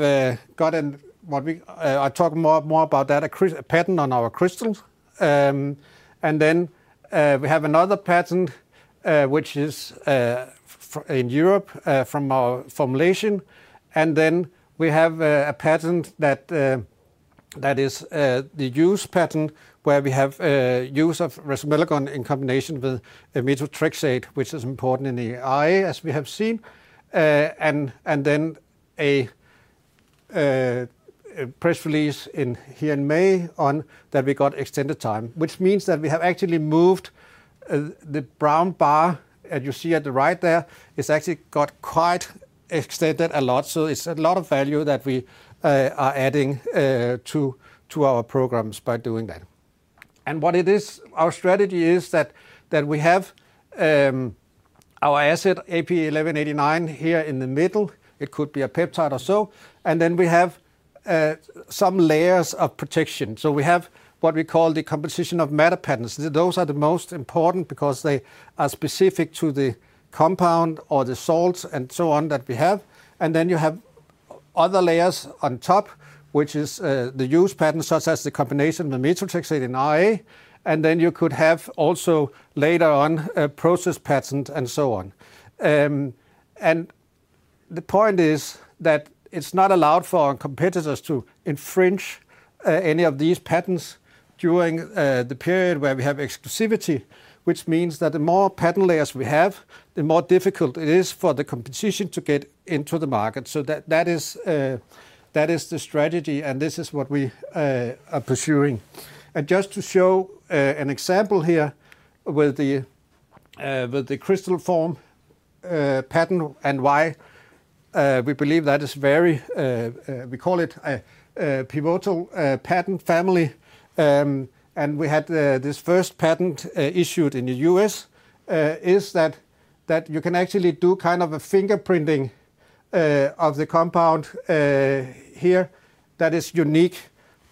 gotten, what we, I'll talk more about that, a patent on our crystals. We have another patent, which is in Europe from our formulation. We have a patent that is the use patent where we have use of resomelagon in combination with methotrexate, which is important in the eye, as we have seen. A press release here in May on that we got extended time, which means that we have actually moved the brown bar that you see at the right there. It's actually got quite extended a lot. It's a lot of value that we are adding to our programs by doing that. What it is, our strategy is that we have our asset, AP1189, here in the middle. It could be a peptide or so. Then we have some layers of protection. We have what we call the composition of matter patents. Those are the most important because they are specific to the compound or the salts and so on that we have. Then you have other layers on top, which is the use patent, such as the combination of methotrexate and RA. You could have also later on a process patent and so on. The point is that it's not allowed for our competitors to infringe any of these patents during the period where we have exclusivity, which means that the more patent layers we have, the more difficult it is for the competition to get into the market. That is the strategy. This is what we are pursuing. Just to show an example here with the crystal form patent and why we believe that is very, we call it a pivotal patent family. We had this first patent issued in the U.S. You can actually do kind of a fingerprinting of the compound here that is unique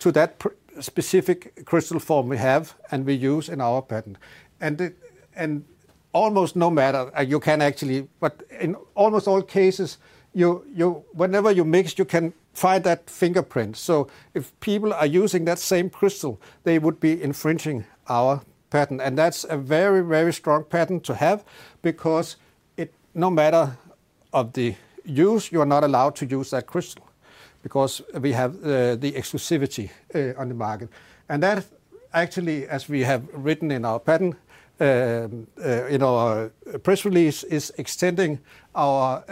to that specific crystal form we have and we use in our patent. Almost no matter, you can actually, but in almost all cases, whenever you mix, you can find that fingerprint. If people are using that same crystal, they would be infringing our patent. That is a very, very strong patent to have because no matter the use, you are not allowed to use that crystal because we have the exclusivity on the market. That actually, as we have written in our patent, in our press release, is extending our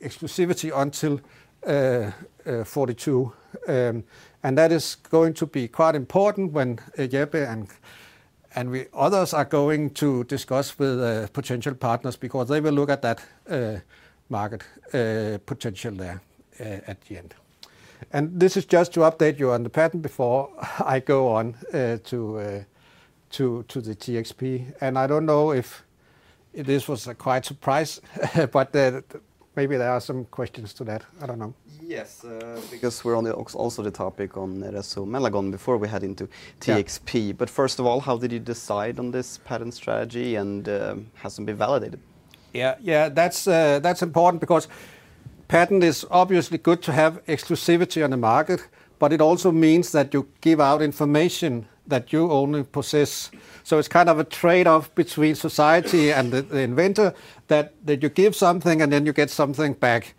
exclusivity until 2042. That is going to be quite important when Jeppe and others are going to discuss with potential partners because they will look at that market potential there at the end. This is just to update you on the patent before I go on to the TXP. I do not know if this was quite a surprise, but maybe there are some questions to that. I do not know. Yes, because we are on also the topic on resomelagon before we head into TXP. First of all, how did you decide on this patent strategy and has it been validated? Yeah. Yeah. That's important because patent is obviously good to have exclusivity on the market, but it also means that you give out information that you only possess. It's kind of a trade-off between society and the inventor that you give something and then you get something back.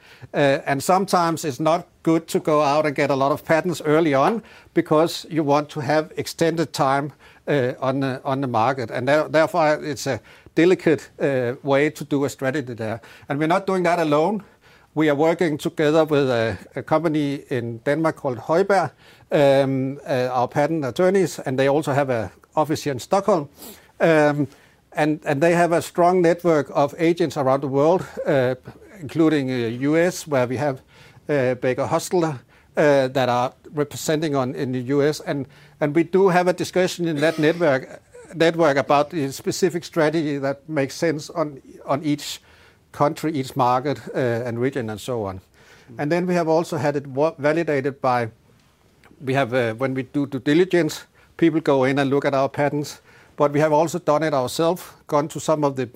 Sometimes it's not good to go out and get a lot of patents early on because you want to have extended time on the market. Therefore, it's a delicate way to do a strategy there. We're not doing that alone. We are working together with a company in Denmark called Højberg, our patent attorneys. They also have an office here in Stockholm. They have a strong network of agents around the world, including the U.S., where we have Baker Botts that are representing in the U.S. We do have a discussion in that network about the specific strategy that makes sense on each country, each market, and region, and so on. We have also had it validated by when we do due diligence, people go in and look at our patents. We have also done it ourselves, gone to some of the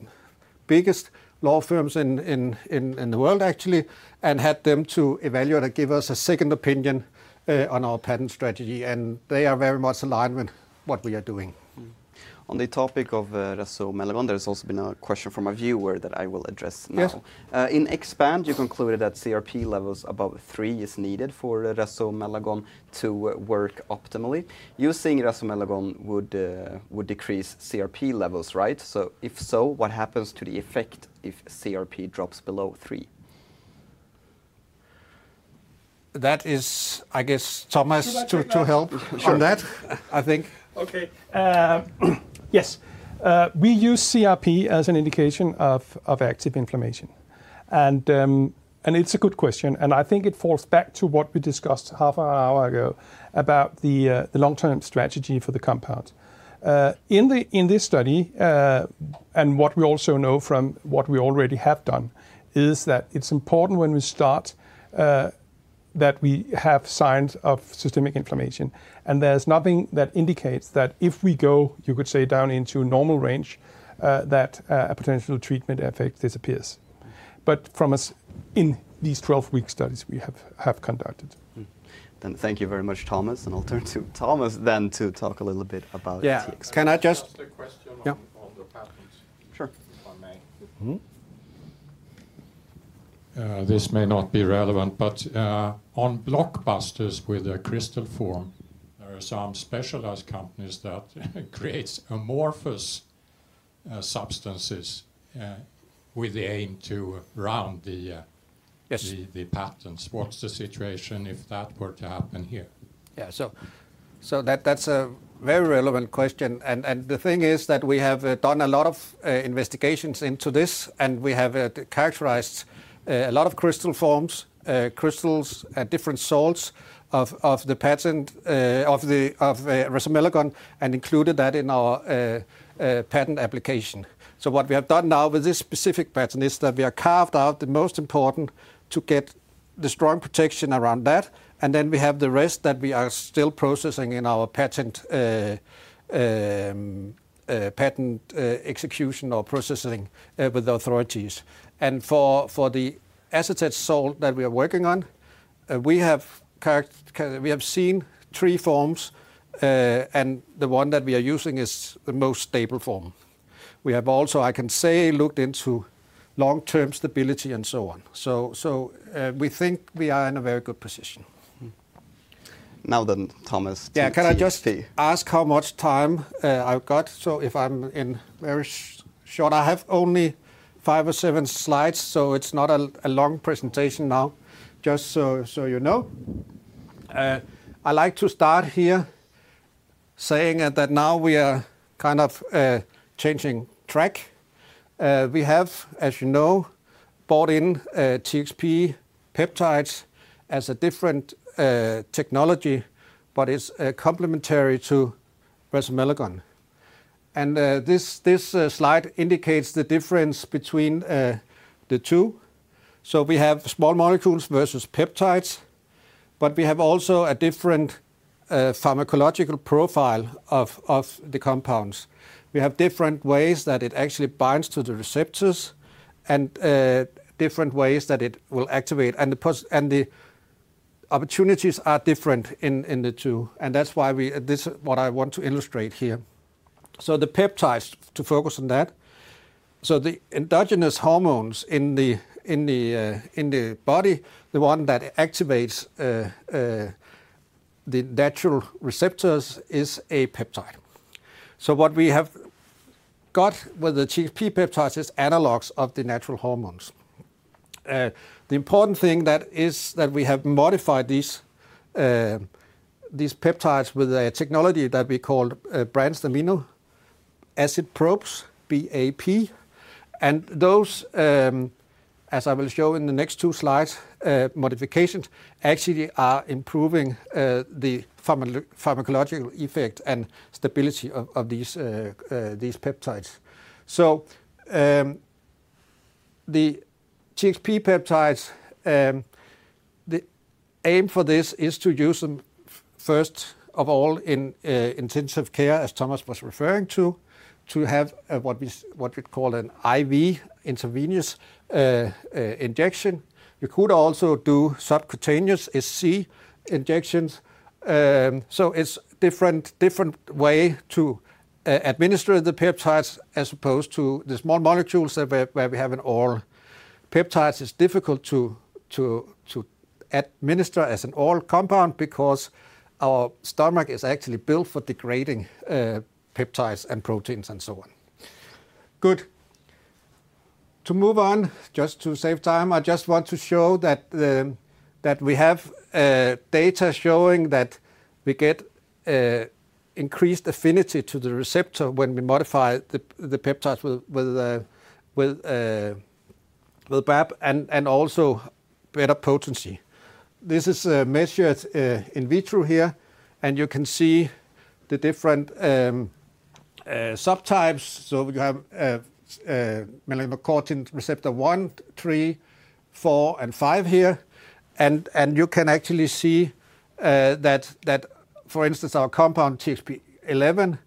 biggest law firms in the world, actually, and had them evaluate and give us a second opinion on our patent strategy. They are very much aligned with what we are doing. On the topic of resomelagon, there has also been a question from a viewer that I will address now. In Expand, you concluded that CRP levels above three is needed for resomelagon to work optimally. You're saying resomelagon would decrease CRP levels, right? If so, what happens to the effect if CRP drops below three? That is, I guess, Thomas, to help on that, I think. Okay. Yes. We use CRP as an indication of active inflammation. It's a good question. I think it falls back to what we discussed half an hour ago about the long-term strategy for the compound. In this study, and what we also know from what we already have done, is that it's important when we start that we have signs of systemic inflammation. There's nothing that indicates that if we go, you could say, down into normal range, that a potential treatment effect disappears. From these 12-week studies we have conducted. Thank you very much, Thomas. I'll turn to Thomas then to talk a little bit about TXP. Can I just. Just a question on the patents. Sure. If I may. This may not be relevant, but on blockbusters with a crystal form, there are some specialized companies that create amorphous substances with the aim to round the patents. What's the situation if that were to happen here? Yeah. That's a very relevant question. The thing is that we have done a lot of investigations into this. We have characterized a lot of crystal forms, crystals at different salts of the patent of resomelagon and included that in our patent application. What we have done now with this specific patent is that we have carved out the most important to get the strong protection around that. Then we have the rest that we are still processing in our patent execution or processing with the authorities. For the acetate salt that we are working on, we have seen three forms. The one that we are using is the most stable form. We have also, I can say, looked into long-term stability and so on. We think we are in a very good position. Now, Thomas. Yeah. Can I just ask how much time I've got? If I'm very short, I have only five or seven slides. It is not a long presentation now, just so you know. I like to start here saying that now we are kind of changing track. We have, as you know, brought in TXP peptides as a different technology, but it is complementary to resomelagon. This slide indicates the difference between the two. We have small molecules versus peptides. We have also a different pharmacological profile of the compounds. We have different ways that it actually binds to the receptors and different ways that it will activate. The opportunities are different in the two. That is what I want to illustrate here. The peptides, to focus on that. The endogenous hormones in the body, the one that activates the natural receptors, is a peptide. What we have got with the TXP peptides is analogs of the natural hormones. The important thing is that we have modified these peptides with a technology that we call Branched Amino Acid Probes, BAP. Those, as I will show in the next two slides, modifications actually are improving the pharmacological effect and stability of these peptides. The TXP peptides, the aim for this is to use them first of all in intensive care, as Thomas was referring to, to have what we call an IV, intravenous injection. You could also do subcutaneous SC injections. It is a different way to administer the peptides as opposed to the small molecules where we have an oral. Peptides is difficult to administer as an oral compound because our stomach is actually built for degrading peptides and proteins and so on. Good. To move on, just to save time, I just want to show that we have data showing that we get increased affinity to the receptor when we modify the peptides with BAP and also better potency. This is measured in vitro here. You can see the different subtypes. We have melanocortin receptor 1, 3, 4, and 5 here. You can actually see that, for instance, our compound TXP-11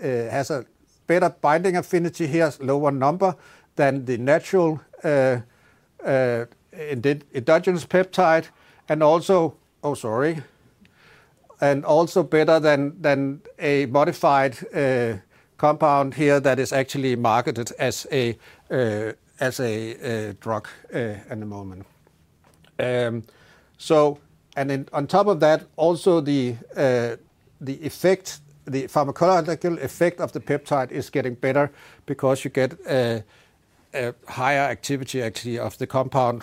has a better binding affinity here, lower number than the natural endogenous peptide. Oh, sorry. Also better than a modified compound here that is actually marketed as a drug at the moment. On top of that, also the pharmacological effect of the peptide is getting better because you get higher activity actually of the compound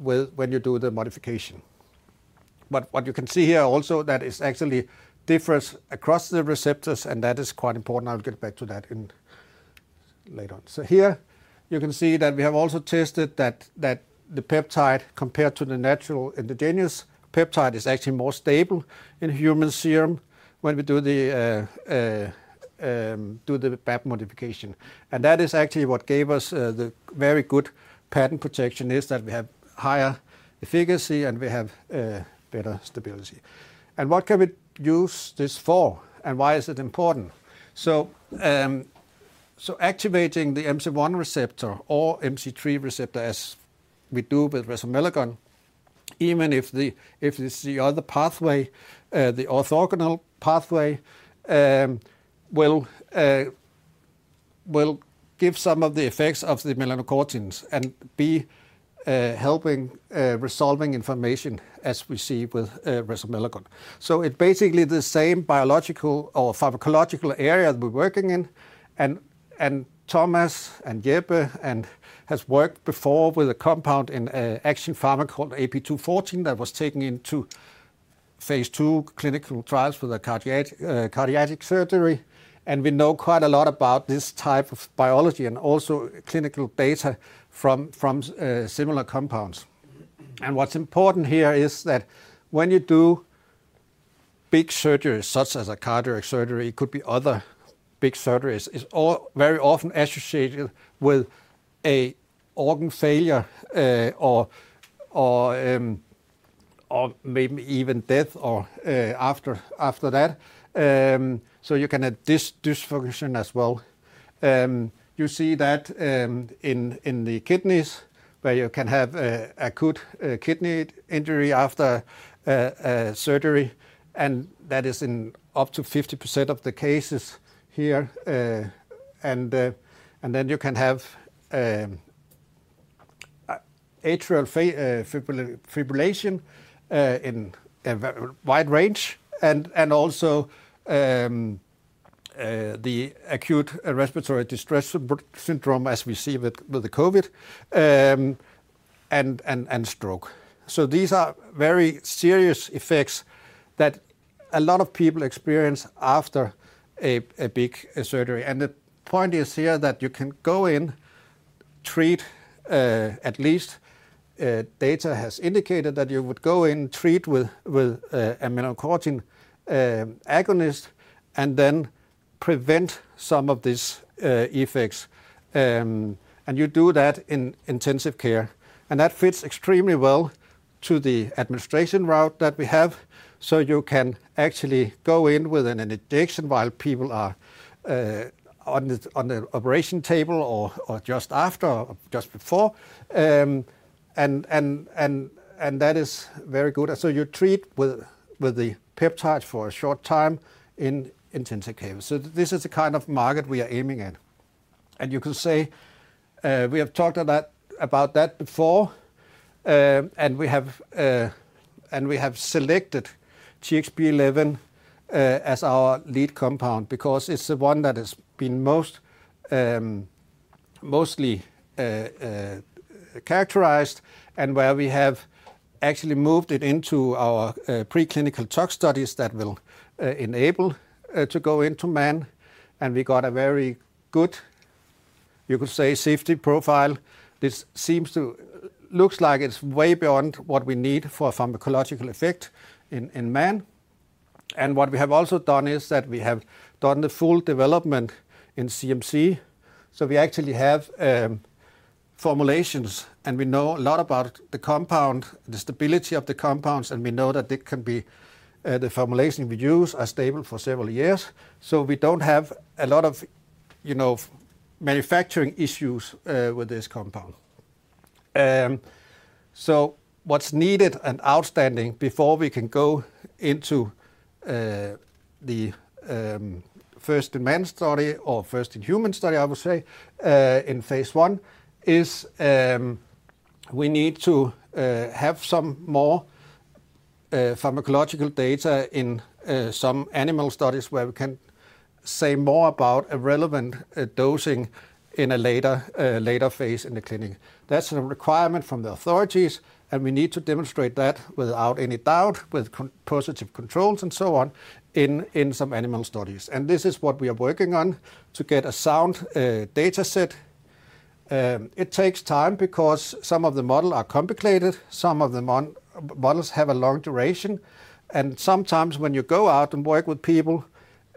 when you do the modification. What you can see here also is that there is actually difference across the receptors. That is quite important. I'll get back to that later on. Here, you can see that we have also tested that the peptide compared to the natural endogenous peptide is actually more stable in human serum when we do the BAP modification. That is actually what gave us the very good patent protection, is that we have higher efficacy and we have better stability. What can we use this for and why is it important? Activating the MC1 receptor or MC3 receptor as we do with resomelagon, even if it's the other pathway, the orthogonal pathway, will give some of the effects of the melanocortins and be helping resolving inflammation as we see with resomelagon. It's basically the same biological or pharmacological area we're working in. Thomas and Jeppe have worked before with a compound in Action Pharma called AP214 that was taken into phase 2 clinical trials with cardiac surgery. We know quite a lot about this type of biology and also clinical data from similar compounds. What's important here is that when you do big surgeries such as a cardiac surgery, it could be other big surgeries, it's very often associated with an organ failure or maybe even death after that. You can have this dysfunction as well. You see that in the kidneys where you can have acute kidney injury after surgery. That is in up to 50% of the cases here. You can have atrial fibrillation in a wide range. Also the acute respiratory distress syndrome as we see with COVID and stroke. These are very serious effects that a lot of people experience after a big surgery. The point is here that you can go in, treat at least data has indicated that you would go in, treat with a melanocortin agonist and then prevent some of these effects. You do that in intensive care. That fits extremely well to the administration route that we have. You can actually go in with an injection while people are on the operation table or just after or just before. That is very good. You treat with the peptides for a short time in intensive care. This is the kind of market we are aiming at. You can say we have talked about that before. We have selected TXP-11 as our lead compound because it's the one that has been mostly characterized and where we have actually moved it into our preclinical tox studies that will enable to go into man. We got a very good, you could say, safety profile. This looks like it's way beyond what we need for pharmacological effect in man. What we have also done is that we have done the full development in CMC. We actually have formulations. We know a lot about the compound, the stability of the compounds. We know that the formulation we use is stable for several years. We do not have a lot of manufacturing issues with this compound. What's needed and outstanding before we can go into the first in man study or first in human study, I would say, in Phase I is we need to have some more pharmacological data in some animal studies where we can say more about a relevant dosing in a later phase in the clinic. That's a requirement from the authorities. We need to demonstrate that without any doubt with positive controls and so on in some animal studies. This is what we are working on to get a sound data set. It takes time because some of the models are complicated. Some of the models have a long duration. Sometimes when you go out and work with people,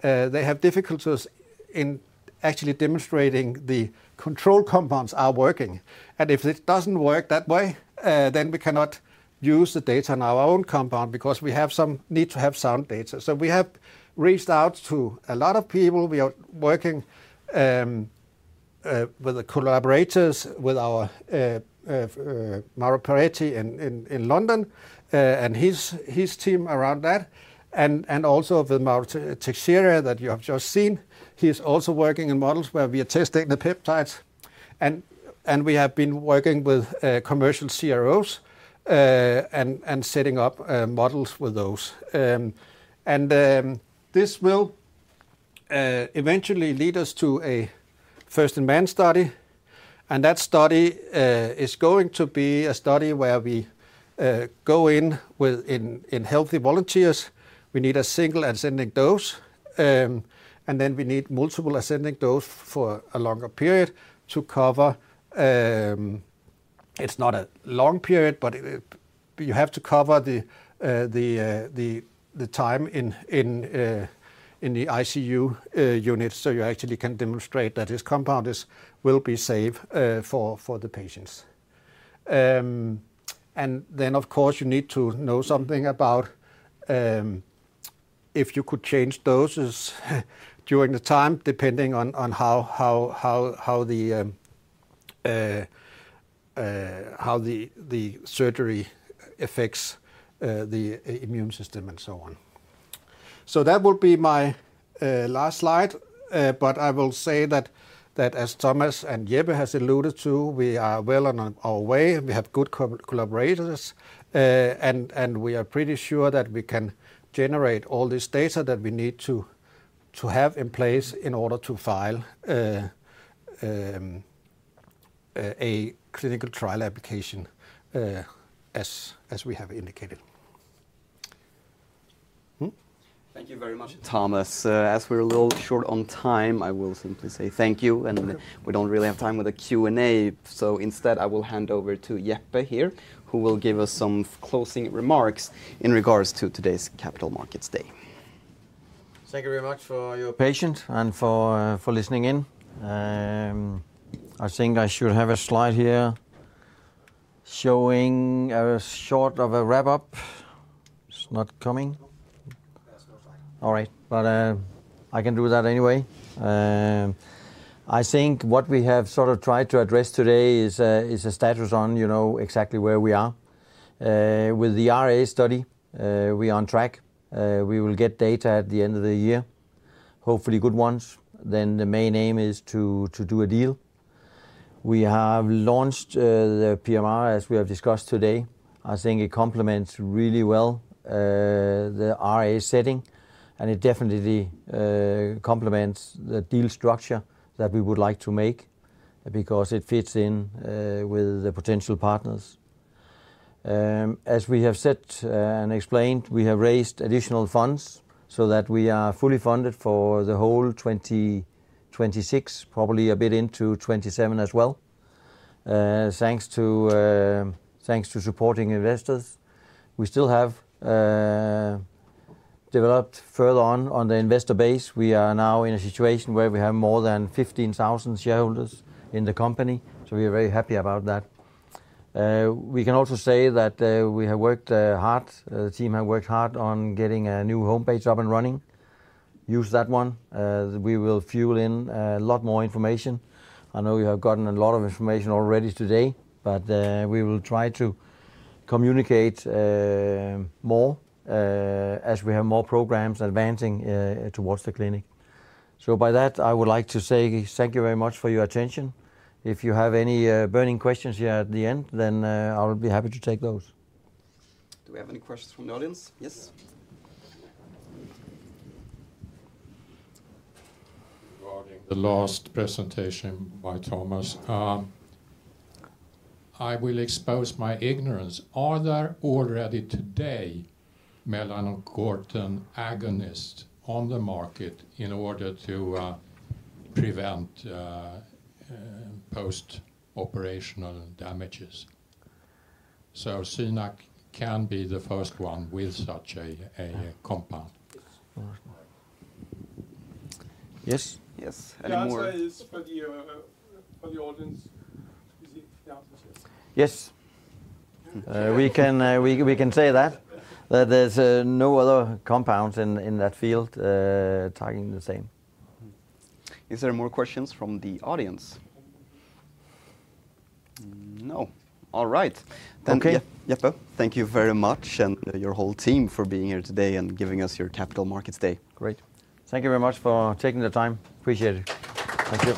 they have difficulties in actually demonstrating the control compounds are working. If it does not work that way, then we cannot use the data on our own compound because we need to have sound data. We have reached out to a lot of people. We are working with the collaborators with our Mauro Perretti in London and his team around that. Also with Mauro Teixeira that you have just seen. He is also working in models where we are testing the peptides. We have been working with commercial CROs and setting up models with those. This will eventually lead us to a first in man study. That study is going to be a study where we go in with healthy volunteers. We need a single ascending dose. Then we need multiple ascending doses for a longer period to cover. It is not a long period, but you have to cover the time in the ICU unit so you actually can demonstrate that this compound will be safe for the patients. Of course, you need to know something about if you could change doses during the time depending on how the surgery affects the immune system and so on. That will be my last slide. I will say that, as Thomas and Jeppe has alluded to, we are well on our way. We have good collaborators. We are pretty sure that we can generate all this data that we need to have in place in order to file a clinical trial application as we have indicated. Thank you very much, Thomas. As we're a little short on time, I will simply say thank you. We do not really have time with the Q&A. Instead, I will hand over to Jeppe here, who will give us some closing remarks in regards to today's Capital Markets Day. Thank you very much for your patience and for listening in. I think I should have a slide here showing a short of a wrap-up. It's not coming. All right. I can do that anyway. I think what we have sort of tried to address today is a status on exactly where we are. With the RA study, we are on track. We will get data at the end of the year, hopefully good ones. The main aim is to do a deal. We have launched the PMR, as we have discussed today. I think it complements really well the RA setting. It definitely complements the deal structure that we would like to make because it fits in with the potential partners. As we have said and explained, we have raised additional funds so that we are fully funded for the whole 2026, probably a bit into 2027 as well. Thanks to supporting investors. We still have developed further on the investor base. We are now in a situation where we have more than 15,000 shareholders in the company. We are very happy about that. We can also say that we have worked hard. The team has worked hard on getting a new homepage up and running. Use that one. We will fuel in a lot more information. I know you have gotten a lot of information already today. We will try to communicate more as we have more programs advancing towards the clinic. By that, I would like to say thank you very much for your attention. If you have any burning questions here at the end, I will be happy to take those. Do we have any questions from the audience? Yes. Regarding the last presentation by Thomas, I will expose my ignorance. Are there already today melanocortin agonists on the market in order to prevent post-operational damages? So SynAct can be the first one with such a compound. Yes. Yes. Any more? Can I say for the audience? Yes. We can say that. There's no other compounds in that field tagging the same. Is there more questions from the audience? No. All right. Thank you. Okay. Jeppe, thank you very much. And your whole team for being here today and giving us your Capital Markets Day. Great. Thank you very much for taking the time. Appreciate it. Thank you.